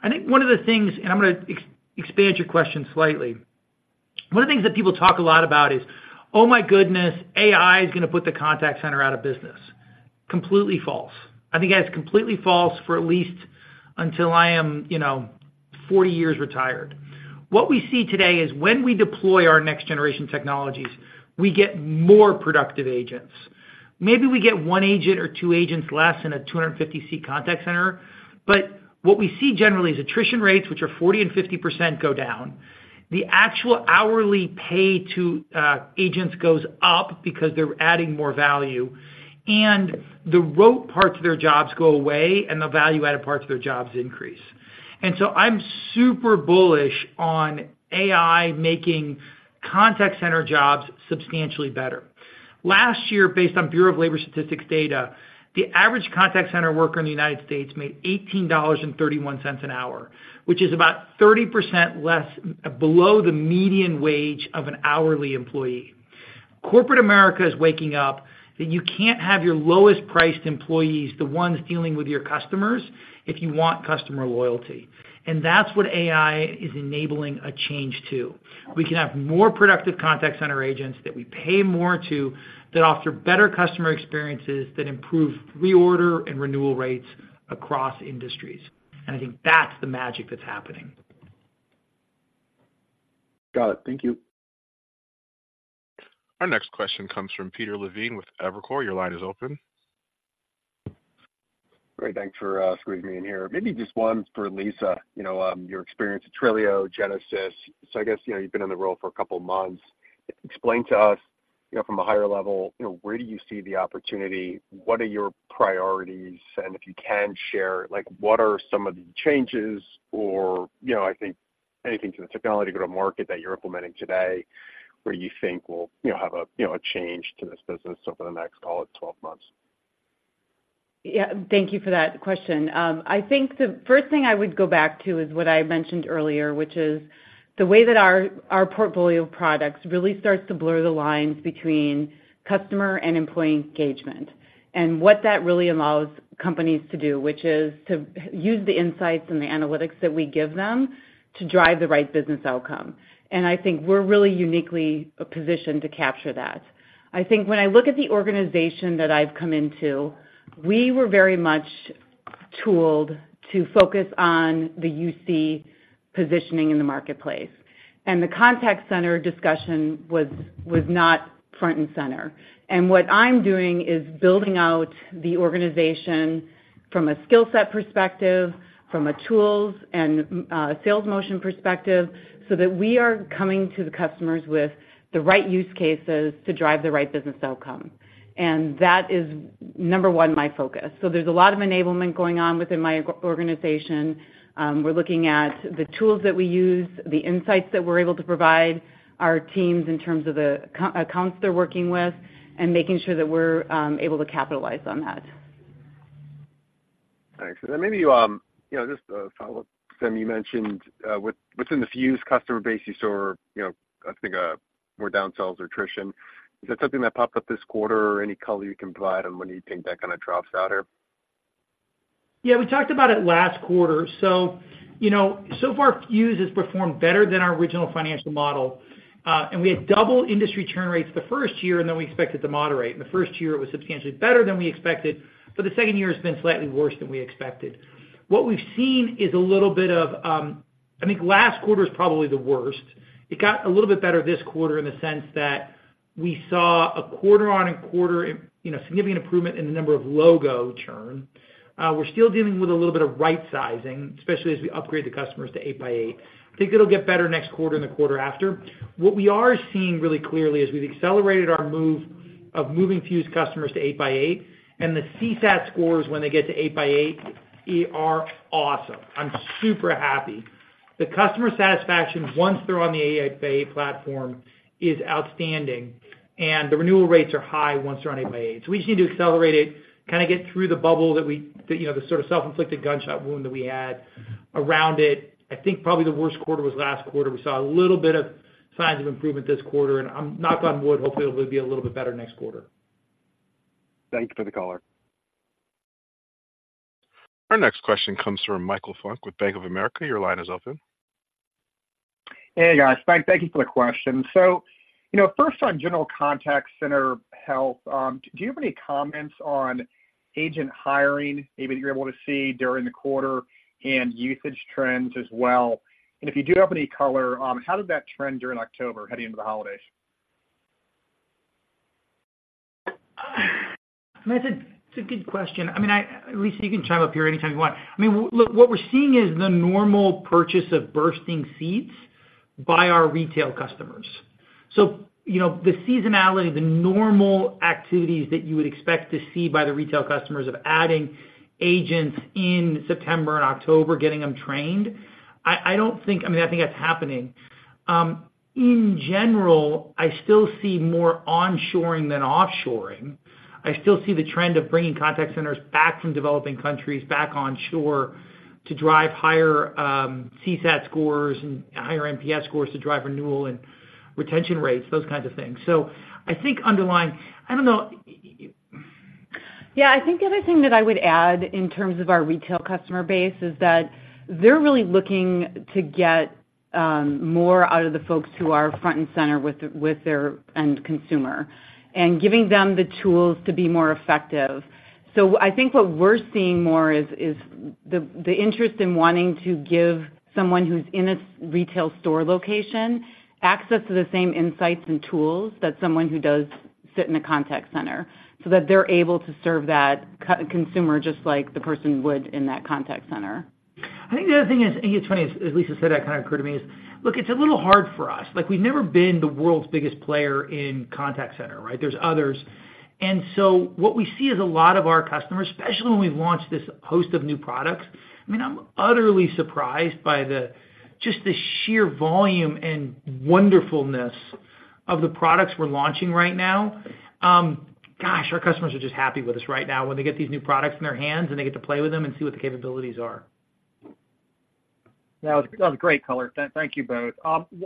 I think one of the things, and I'm gonna expand your question slightly. One of the things that people talk a lot about is, "Oh, my goodness, AI is gonna put the contact center out of business." Completely false. I think that's completely false for at least until I am, you know, 40 years retired. What we see today is when we deploy our next-generation technologies, we get more productive agents. Maybe we get 1 agent or 2 agents less in a 250-seat contact center, but what we see generally is attrition rates, which are 40% and 50%, go down. The actual hourly pay to agents goes up because they're adding more value, and the rote parts of their jobs go away, and the value-added parts of their jobs increase. And so I'm super bullish on AI making contact center jobs substantially better. Last year, based on Bureau of Labor Statistics data, the average contact center worker in the United States made $18.31 an hour, which is about 30% less below the median wage of an hourly employee. Corporate America is waking up, that you can't have your lowest priced employees, the ones dealing with your customers, if you want customer loyalty. That's what AI is enabling a change to. We can have more productive contact center agents that we pay more to, that offer better customer experiences, that improve reorder and renewal rates across industries. I think that's the magic that's happening. Got it. Thank you. Our next question comes from Peter Levine with Evercore. Your line is open. Great. Thanks for squeezing me in here. Maybe just one for Lisa. You know, your experience at Twilio, Genesys. So I guess, you know, you've been in the role for a couple of months. Explain to us, you know, from a higher level, you know, where do you see the opportunity? What are your priorities? And if you can share, like, what are some of the changes or, you know, I think anything to the technology, go-to-market that you're implementing today, where you think will, you know, have a, you know, a change to this business over the next, call it, 12 months. Yeah, thank you for that question. I think the first thing I would go back to is what I mentioned earlier, which is the way that our portfolio of products really starts to blur the lines between customer and employee engagement. And what that really allows companies to do, which is to use the insights and the analytics that we give them to drive the right business outcome. And I think we're really uniquely positioned to capture that. I think when I look at the organization that I've come into, we were very much tooled to focus on the UC positioning in the marketplace, and the contact center discussion was not front and center. What I'm doing is building out the organization from a skill set perspective, from a tools and sales motion perspective, so that we are coming to the customers with the right use cases to drive the right business outcome. That is, number one, my focus. So there's a lot of enablement going on within my organization. We're looking at the tools that we use, the insights that we're able to provide our teams in terms of the accounts they're working with, and making sure that we're able to capitalize on that. Thanks. And then maybe, you know, just a follow-up. Sam, you mentioned within the Fuze customer base, you saw, you know, I think, more downsells or attrition. Is that something that popped up this quarter, or any color you can provide on when you think that kind of drops out here? Yeah, we talked about it last quarter. So, you know, so far, Fuze has performed better than our original financial model, and we had double industry churn rates the first year, and then we expected to moderate. In the first year, it was substantially better than we expected, but the second year has been slightly worse than we expected. What we've seen is a little bit of, I think last quarter is probably the worst. It got a little bit better this quarter in the sense that we saw a quarter-on-quarter, you know, significant improvement in the number of logo churn. We're still dealing with a little bit of right sizing, especially as we upgrade the customers to 8x8. I think it'll get better next quarter and the quarter after. What we are seeing really clearly is we've accelerated our move of moving Fuze customers to 8x8, and the CSAT scores, when they get to 8x8, they are awesome. I'm super happy. The customer satisfaction, once they're on the 8x8 platform, is outstanding, and the renewal rates are high once they're on 8x8. So we just need to accelerate it, kind of, get through the bubble that, you know, the sort of self-inflicted gunshot wound that we had around it. I think probably the worst quarter was last quarter. We saw a little bit of signs of improvement this quarter, and I'm, knock on wood, hopefully, it'll be a little bit better next quarter. Thank you for the color. Our next question comes from Michael Funk with Bank of America. Your line is open. Hey, guys. Thank you for the question. So, you know, first, on general contact center health, do you have any comments on agent hiring, maybe that you're able to see during the quarter, and usage trends as well? If you do have any color, how did that trend during October heading into the holidays? That's a good question. I mean, Lisa, you can chime up here anytime you want. I mean, look, what we're seeing is the normal purchase of bursting seats by our retail customers. So, you know, the seasonality, the normal activities that you would expect to see by the retail customers of adding agents in September and October, getting them trained, I don't think... I mean, I think that's happening. In general, I still see more onshoring than offshoring. I still see the trend of bringing contact centers back from developing countries back onshore, to drive higher CSAT scores and higher NPS scores, to drive renewal and retention rates, those kinds of things. So I think underlying, I don't know. Yeah, I think the other thing that I would add in terms of our retail customer base is that they're really looking to get more out of the folks who are front and center with, with their end consumer, and giving them the tools to be more effective. So I think what we're seeing more is the interest in wanting to give someone who's in a retail store location access to the same insights and tools that someone who does sit in a contact center, so that they're able to serve that consumer, just like the person would in that contact center. I think the other thing is, I think it's funny, as Lisa said, that kind of occurred to me is, look, it's a little hard for us. Like, we've never been the world's biggest player in contact center, right? There's others. And so what we see is a lot of our customers, especially when we've launched this host of new products, I mean, I'm utterly surprised by the, just the sheer volume and wonderfulness of the products we're launching right now. Gosh, our customers are just happy with us right now when they get these new products in their hands, and they get to play with them and see what the capabilities are.... No, that was great color. Thank you both.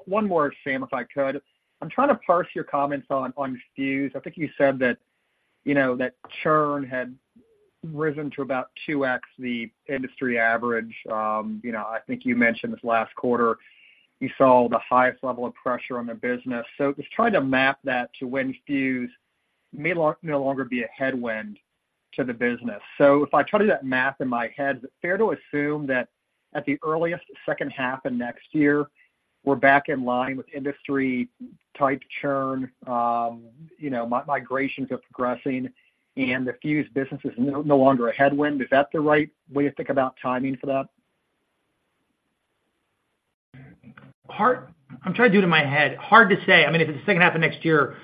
One more, Sam, if I could. I'm trying to parse your comments on, on Fuze. I think you said that, you know, that churn had risen to about 2x the industry average. You know, I think you mentioned this last quarter, you saw the highest level of pressure on the business. So just trying to map that to when Fuze may no longer be a headwind to the business. So if I try to do that math in my head, is it fair to assume that at the earliest second half of next year, we're back in line with industry-type churn, you know, migrations are progressing, and the Fuze business is no longer a headwind? Is that the right way to think about timing for that? I'm trying to do it in my head. Hard to say. I mean, if it's the second half of next year,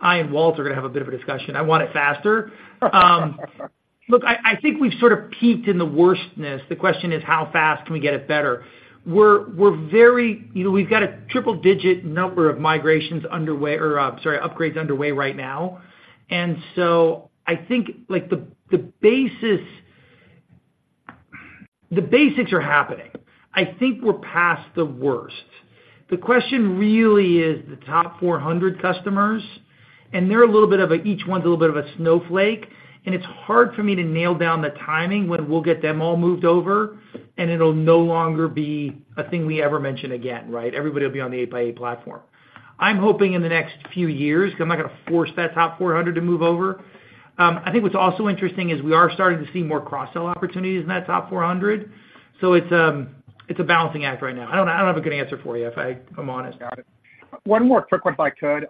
I and Walt are gonna have a bit of a discussion. I want it faster. Look, I think we've sort of peaked in the worstness. The question is: how fast can we get it better? We're very... You know, we've got a triple-digit number of migrations underway, or sorry, upgrades underway right now. And so I think, like, the basis—the basics are happening. I think we're past the worst. The question really is the top 400 customers, and they're a little bit of a, each one's a little bit of a snowflake, and it's hard for me to nail down the timing when we'll get them all moved over, and it'll no longer be a thing we ever mention again, right? Everybody will be on the 8x8 platform. I'm hoping in the next few years, because I'm not gonna force that top 400 to move over. I think what's also interesting is we are starting to see more cross-sell opportunities in that top 400. So it's a balancing act right now. I don't, I don't have a good answer for you, if I'm honest. Got it. One more quick one, if I could.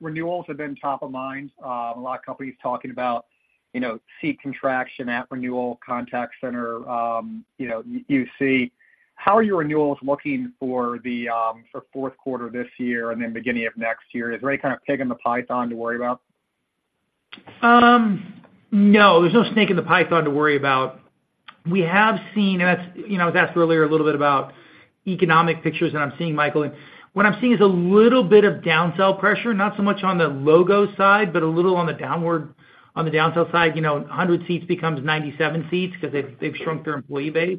Renewals have been top of mind. A lot of companies talking about, you know, seat contraction at renewal, contact center, you know, UC. How are your renewals looking for the, for fourth quarter this year and then beginning of next year? Is there any kind of pig in the python to worry about? No, there's no snake in the python to worry about. We have seen, and that's, you know, I was asked earlier a little bit about economic pictures, and I'm seeing, Michael. And what I'm seeing is a little bit of downsell pressure, not so much on the logo side, but a little on the downward, on the downsell side. You know, 100 seats becomes 97 seats because they've, they've shrunk their employee base.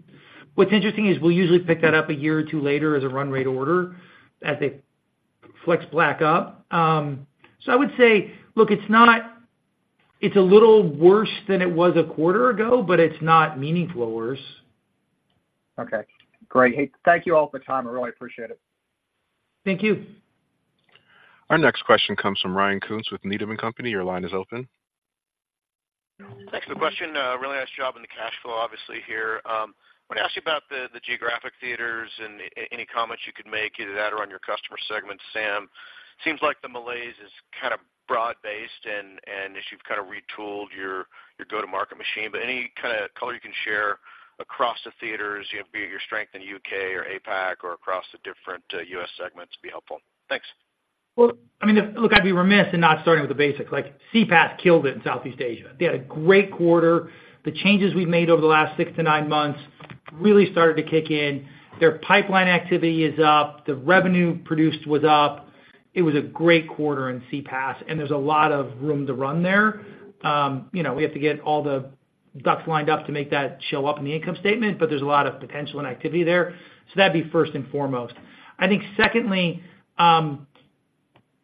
What's interesting is we'll usually pick that up a year or two later as a run rate order as they flex back up. So I would say, look, it's not, it's a little worse than it was a quarter ago, but it's not meaningfully worse. Okay. Great. Hey, thank you all for the time. I really appreciate it. Thank you. Our next question comes from Ryan Koontz with Needham & Company. Your line is open. Thanks for the question. Really nice job on the cash flow, obviously, here. Want to ask you about the geographic theaters and any comments you could make, either that or on your customer segment, Sam. Seems like the malaise is kind of broad-based, and as you've kind of retooled your go-to-market machine. But any kind of color you can share across the theaters, you know, be it your strength in the U.K. or APAC or across the different U.S. segments, would be helpful. Thanks. Well, I mean, look, I'd be remiss in not starting with the basics, like, CPaaS killed it in Southeast Asia. They had a great quarter. The changes we've made over the last 6-9 months really started to kick in. Their pipeline activity is up, the revenue produced was up. It was a great quarter in CPaaS, and there's a lot of room to run there. You know, we have to get all the ducks lined up to make that show up in the income statement, but there's a lot of potential and activity there. So that'd be first and foremost. I think secondly,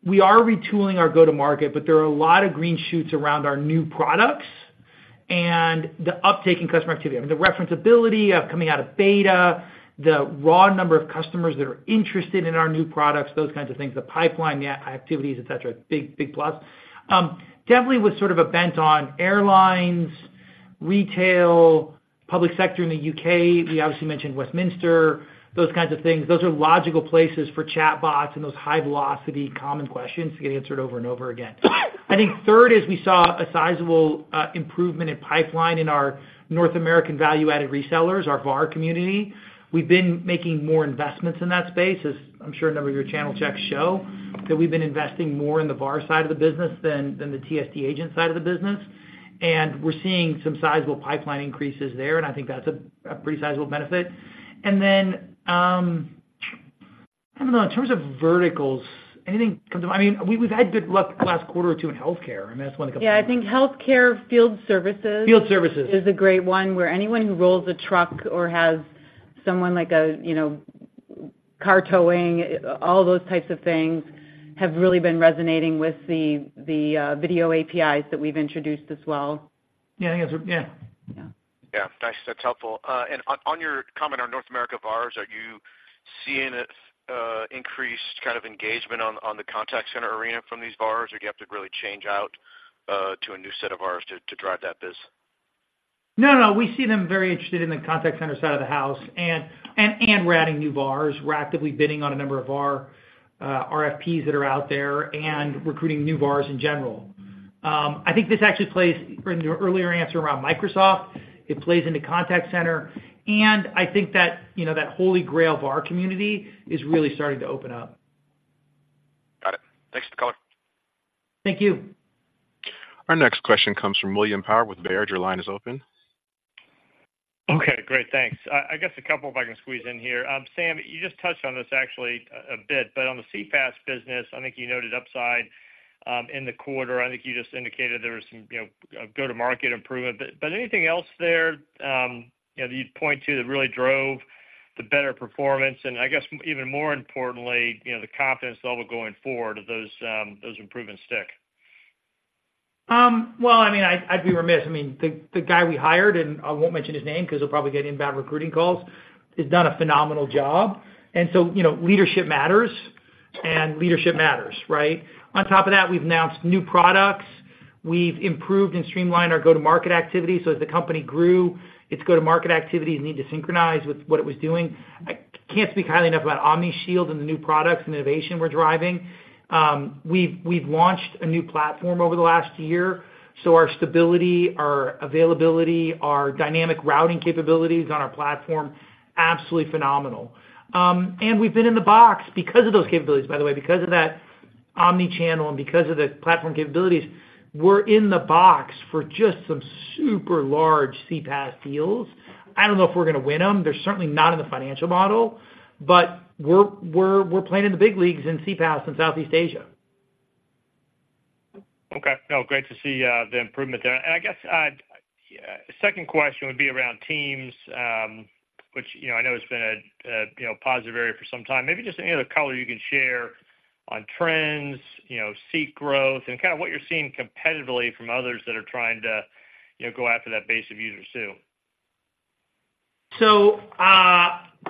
we are retooling our go-to-market, but there are a lot of green shoots around our new products and the uptake in customer activity. I mean, the reference-ability of coming out of beta, the raw number of customers that are interested in our new products, those kinds of things, the pipeline, the activities, et cetera, big, big plus. Definitely was sort of a bent on airlines, retail, public sector in the UK. We obviously mentioned Westminster, those kinds of things. Those are logical places for chatbots and those high-velocity, common questions to get answered over and over again. I think third is we saw a sizable improvement in pipeline in our North American value-added resellers, our VAR community. We've been making more investments in that space, as I'm sure a number of your channel checks show, that we've been investing more in the VAR side of the business than, than the TSD agent side of the business. And we're seeing some sizable pipeline increases there, and I think that's a pretty sizable benefit. And then, I don't know, in terms of verticals, anything comes to mind? I mean, we've had good luck the last quarter or two in healthcare, I mean, that's one that comes- Yeah, I think healthcare field services- Field services. is a great one, where anyone who rolls a truck or has someone like a, you know, car towing, all those types of things, have really been resonating with the video APIs that we've introduced as well. Yeah, I guess, yeah. Yeah. Yeah. Nice. That's helpful. On your comment on North America VARs, are you seeing an increased kind of engagement on the contact center arena from these VARs, or do you have to really change out to a new set of VARs to drive that biz? No, no, we see them very interested in the contact center side of the house, and we're adding new VARs. We're actively bidding on a number of our RFPs that are out there and recruiting new VARs in general. I think this actually plays in your earlier answer around Microsoft, it plays into contact center, and I think that, you know, that holy grail VAR community is really starting to open up. Got it. Thanks for the color. Thank you. Our next question comes from William Power with Baird. Your line is open. Okay, great. Thanks. I guess a couple, if I can squeeze in here. Sam, you just touched on this actually a bit, but on the CPaaS business, I think you noted upside in the quarter. I think you just indicated there was some, you know, go-to-market improvement. But anything else there, you know, that you'd point to that really drove the better performance? And I guess, even more importantly, you know, the confidence level going forward, do those improvements stick? Well, I mean, I'd, I'd be remiss, I mean, the guy we hired, and I won't mention his name, 'cause he'll probably get inbound recruiting calls, has done a phenomenal job. And so, you know, leadership matters, and leadership matters, right? On top of that, we've announced new products. We've improved and streamlined our go-to-market activity. So as the company grew, its go-to-market activities need to synchronize with what it was doing. I can't speak highly enough about OmniShield and the new products and innovation we're driving. We've launched a new platform over the last year, so our stability, our availability, our dynamic routing capabilities on our platform, absolutely phenomenal. And we've been in the box because of those capabilities, by the way, because of that omni-channel and because of the platform capabilities, we're in the box for just some super large CPaaS deals. I don't know if we're gonna win them. They're certainly not in the financial model, but we're playing in the big leagues in CPaaS in Southeast Asia. Okay. No, great to see the improvement there. And I guess second question would be around Teams, which, you know, I know has been a positive area for some time. Maybe just any other color you can share on trends, you know, seat growth, and kind of what you're seeing competitively from others that are trying to, you know, go after that base of users, too. So,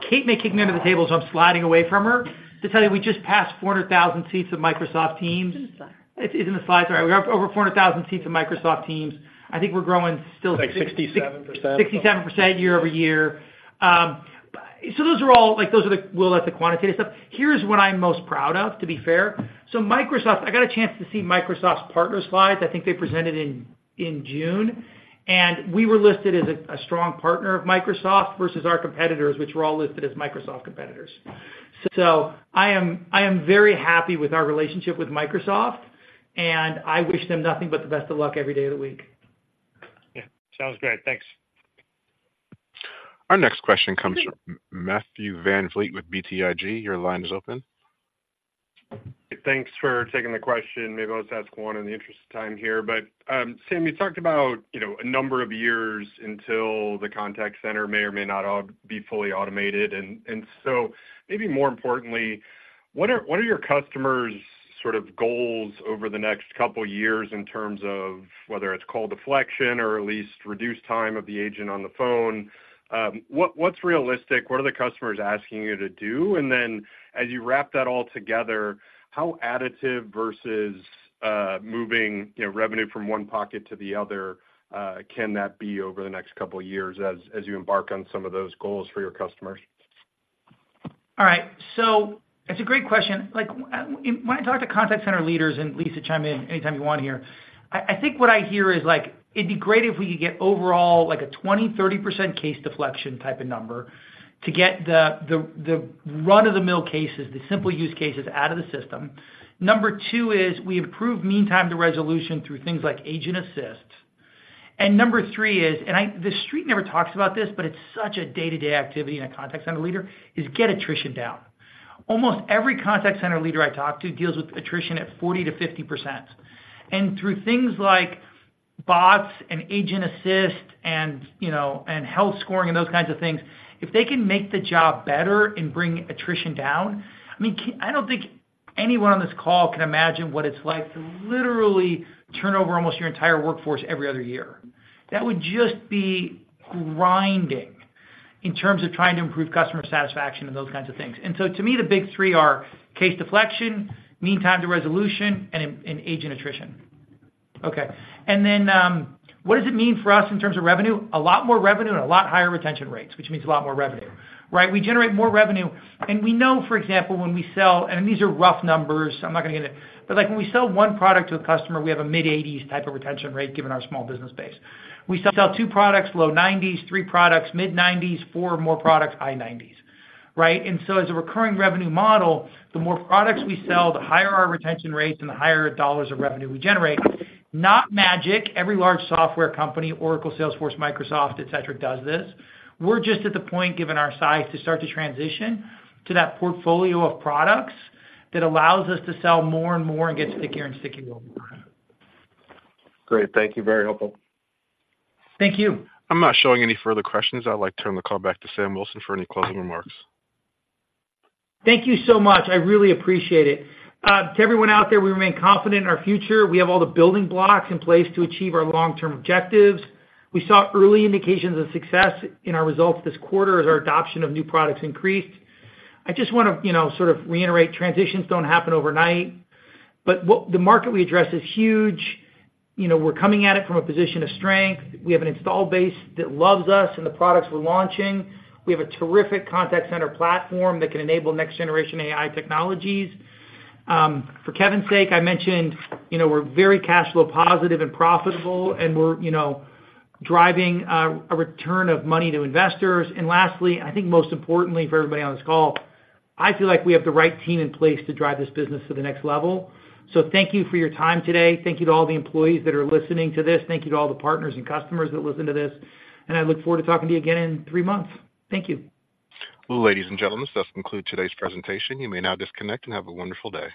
Kate may kick me under the table, so I'm sliding away from her. To tell you, we just passed 400,000 seats of Microsoft Teams. It's in the slides. It's in the slides, right. We have over 400,000 seats of Microsoft Teams. I think we're growing still- Like 67%. 67% year-over-year. So those are all... Like, those are the well, that's the quantitative stuff. Here's what I'm most proud of, to be fair. So Microsoft, I got a chance to see Microsoft's partner slides, I think they presented in June, and we were listed as a strong partner of Microsoft versus our competitors, which were all listed as Microsoft competitors. So I am very happy with our relationship with Microsoft, and I wish them nothing but the best of luck every day of the week. Yeah. Sounds great. Thanks. Our next question comes from Matthew VanVliet with BTIG. Your line is open. Thanks for taking the question. Maybe I'll just ask one in the interest of time here. But, Sam, you talked about, you know, a number of years until the contact center may or may not all be fully automated. And so maybe more importantly, what are your customers' sort of goals over the next couple of years in terms of whether it's call deflection or at least reduced time of the agent on the phone? What, what's realistic? What are the customers asking you to do? And then as you wrap that all together, how additive versus, moving, you know, revenue from one pocket to the other, can that be over the next couple of years as you embark on some of those goals for your customers? All right, so it's a great question. Like, when I talk to contact center leaders, and Lisa, chime in anytime you want here, I think what I hear is like, it'd be great if we could get overall, like a 20-30% case deflection type of number, to get the run-of-the-mill cases, the simple use cases out of the system. Number two is, we improve mean time to resolution through things like Agent Assist. And number three is, and I—The Street never talks about this, but it's such a day-to-day activity in a contact center leader, is get attrition down. Almost every contact center leader I talk to, deals with attrition at 40%-50%. Through things like bots and Agent Assist and, you know, and health scoring and those kinds of things, if they can make the job better and bring attrition down... I mean, I don't think anyone on this call can imagine what it's like to literally turn over almost your entire workforce every other year. That would just be grinding in terms of trying to improve customer satisfaction and those kinds of things. So to me, the big three are: case deflection, mean time to resolution, and agent attrition. Okay, and then, what does it mean for us in terms of revenue? A lot more revenue and a lot higher retention rates, which means a lot more revenue, right? We generate more revenue, and we know, for example, when we sell, and these are rough numbers, I'm not gonna get it, but, like, when we sell 1 product to a customer, we have a mid-80s type of retention rate, given our small business base. We sell 2 products, low 90s, 3 products, mid-90s, 4 or more products, high 90s, right? And so as a recurring revenue model, the more products we sell, the higher our retention rates and the higher dollars of revenue we generate. Not magic. Every large software company, Oracle, Salesforce, Microsoft, et cetera, does this. We're just at the point, given our size, to start to transition to that portfolio of products that allows us to sell more and more and get stickier and stickier over time. Great. Thank you. Very helpful. Thank you. I'm not showing any further questions. I'd like to turn the call back to Sam Wilson for any closing remarks. Thank you so much. I really appreciate it. To everyone out there, we remain confident in our future. We have all the building blocks in place to achieve our long-term objectives. We saw early indications of success in our results this quarter as our adoption of new products increased. I just wanna, you know, sort of reiterate, transitions don't happen overnight, but the market we address is huge. You know, we're coming at it from a position of strength. We have an installed base that loves us and the products we're launching. We have a terrific contact center platform that can enable next-generation AI technologies. For Kevin's sake, I mentioned, you know, we're very cash flow positive and profitable, and we're, you know, driving a return of money to investors. Lastly, I think most importantly, for everybody on this call, I feel like we have the right team in place to drive this business to the next level. So thank you for your time today. Thank you to all the employees that are listening to this. Thank you to all the partners and customers that listen to this, and I look forward to talking to you again in three months. Thank you. Well, ladies and gentlemen, this concludes today's presentation. You may now disconnect and have a wonderful day.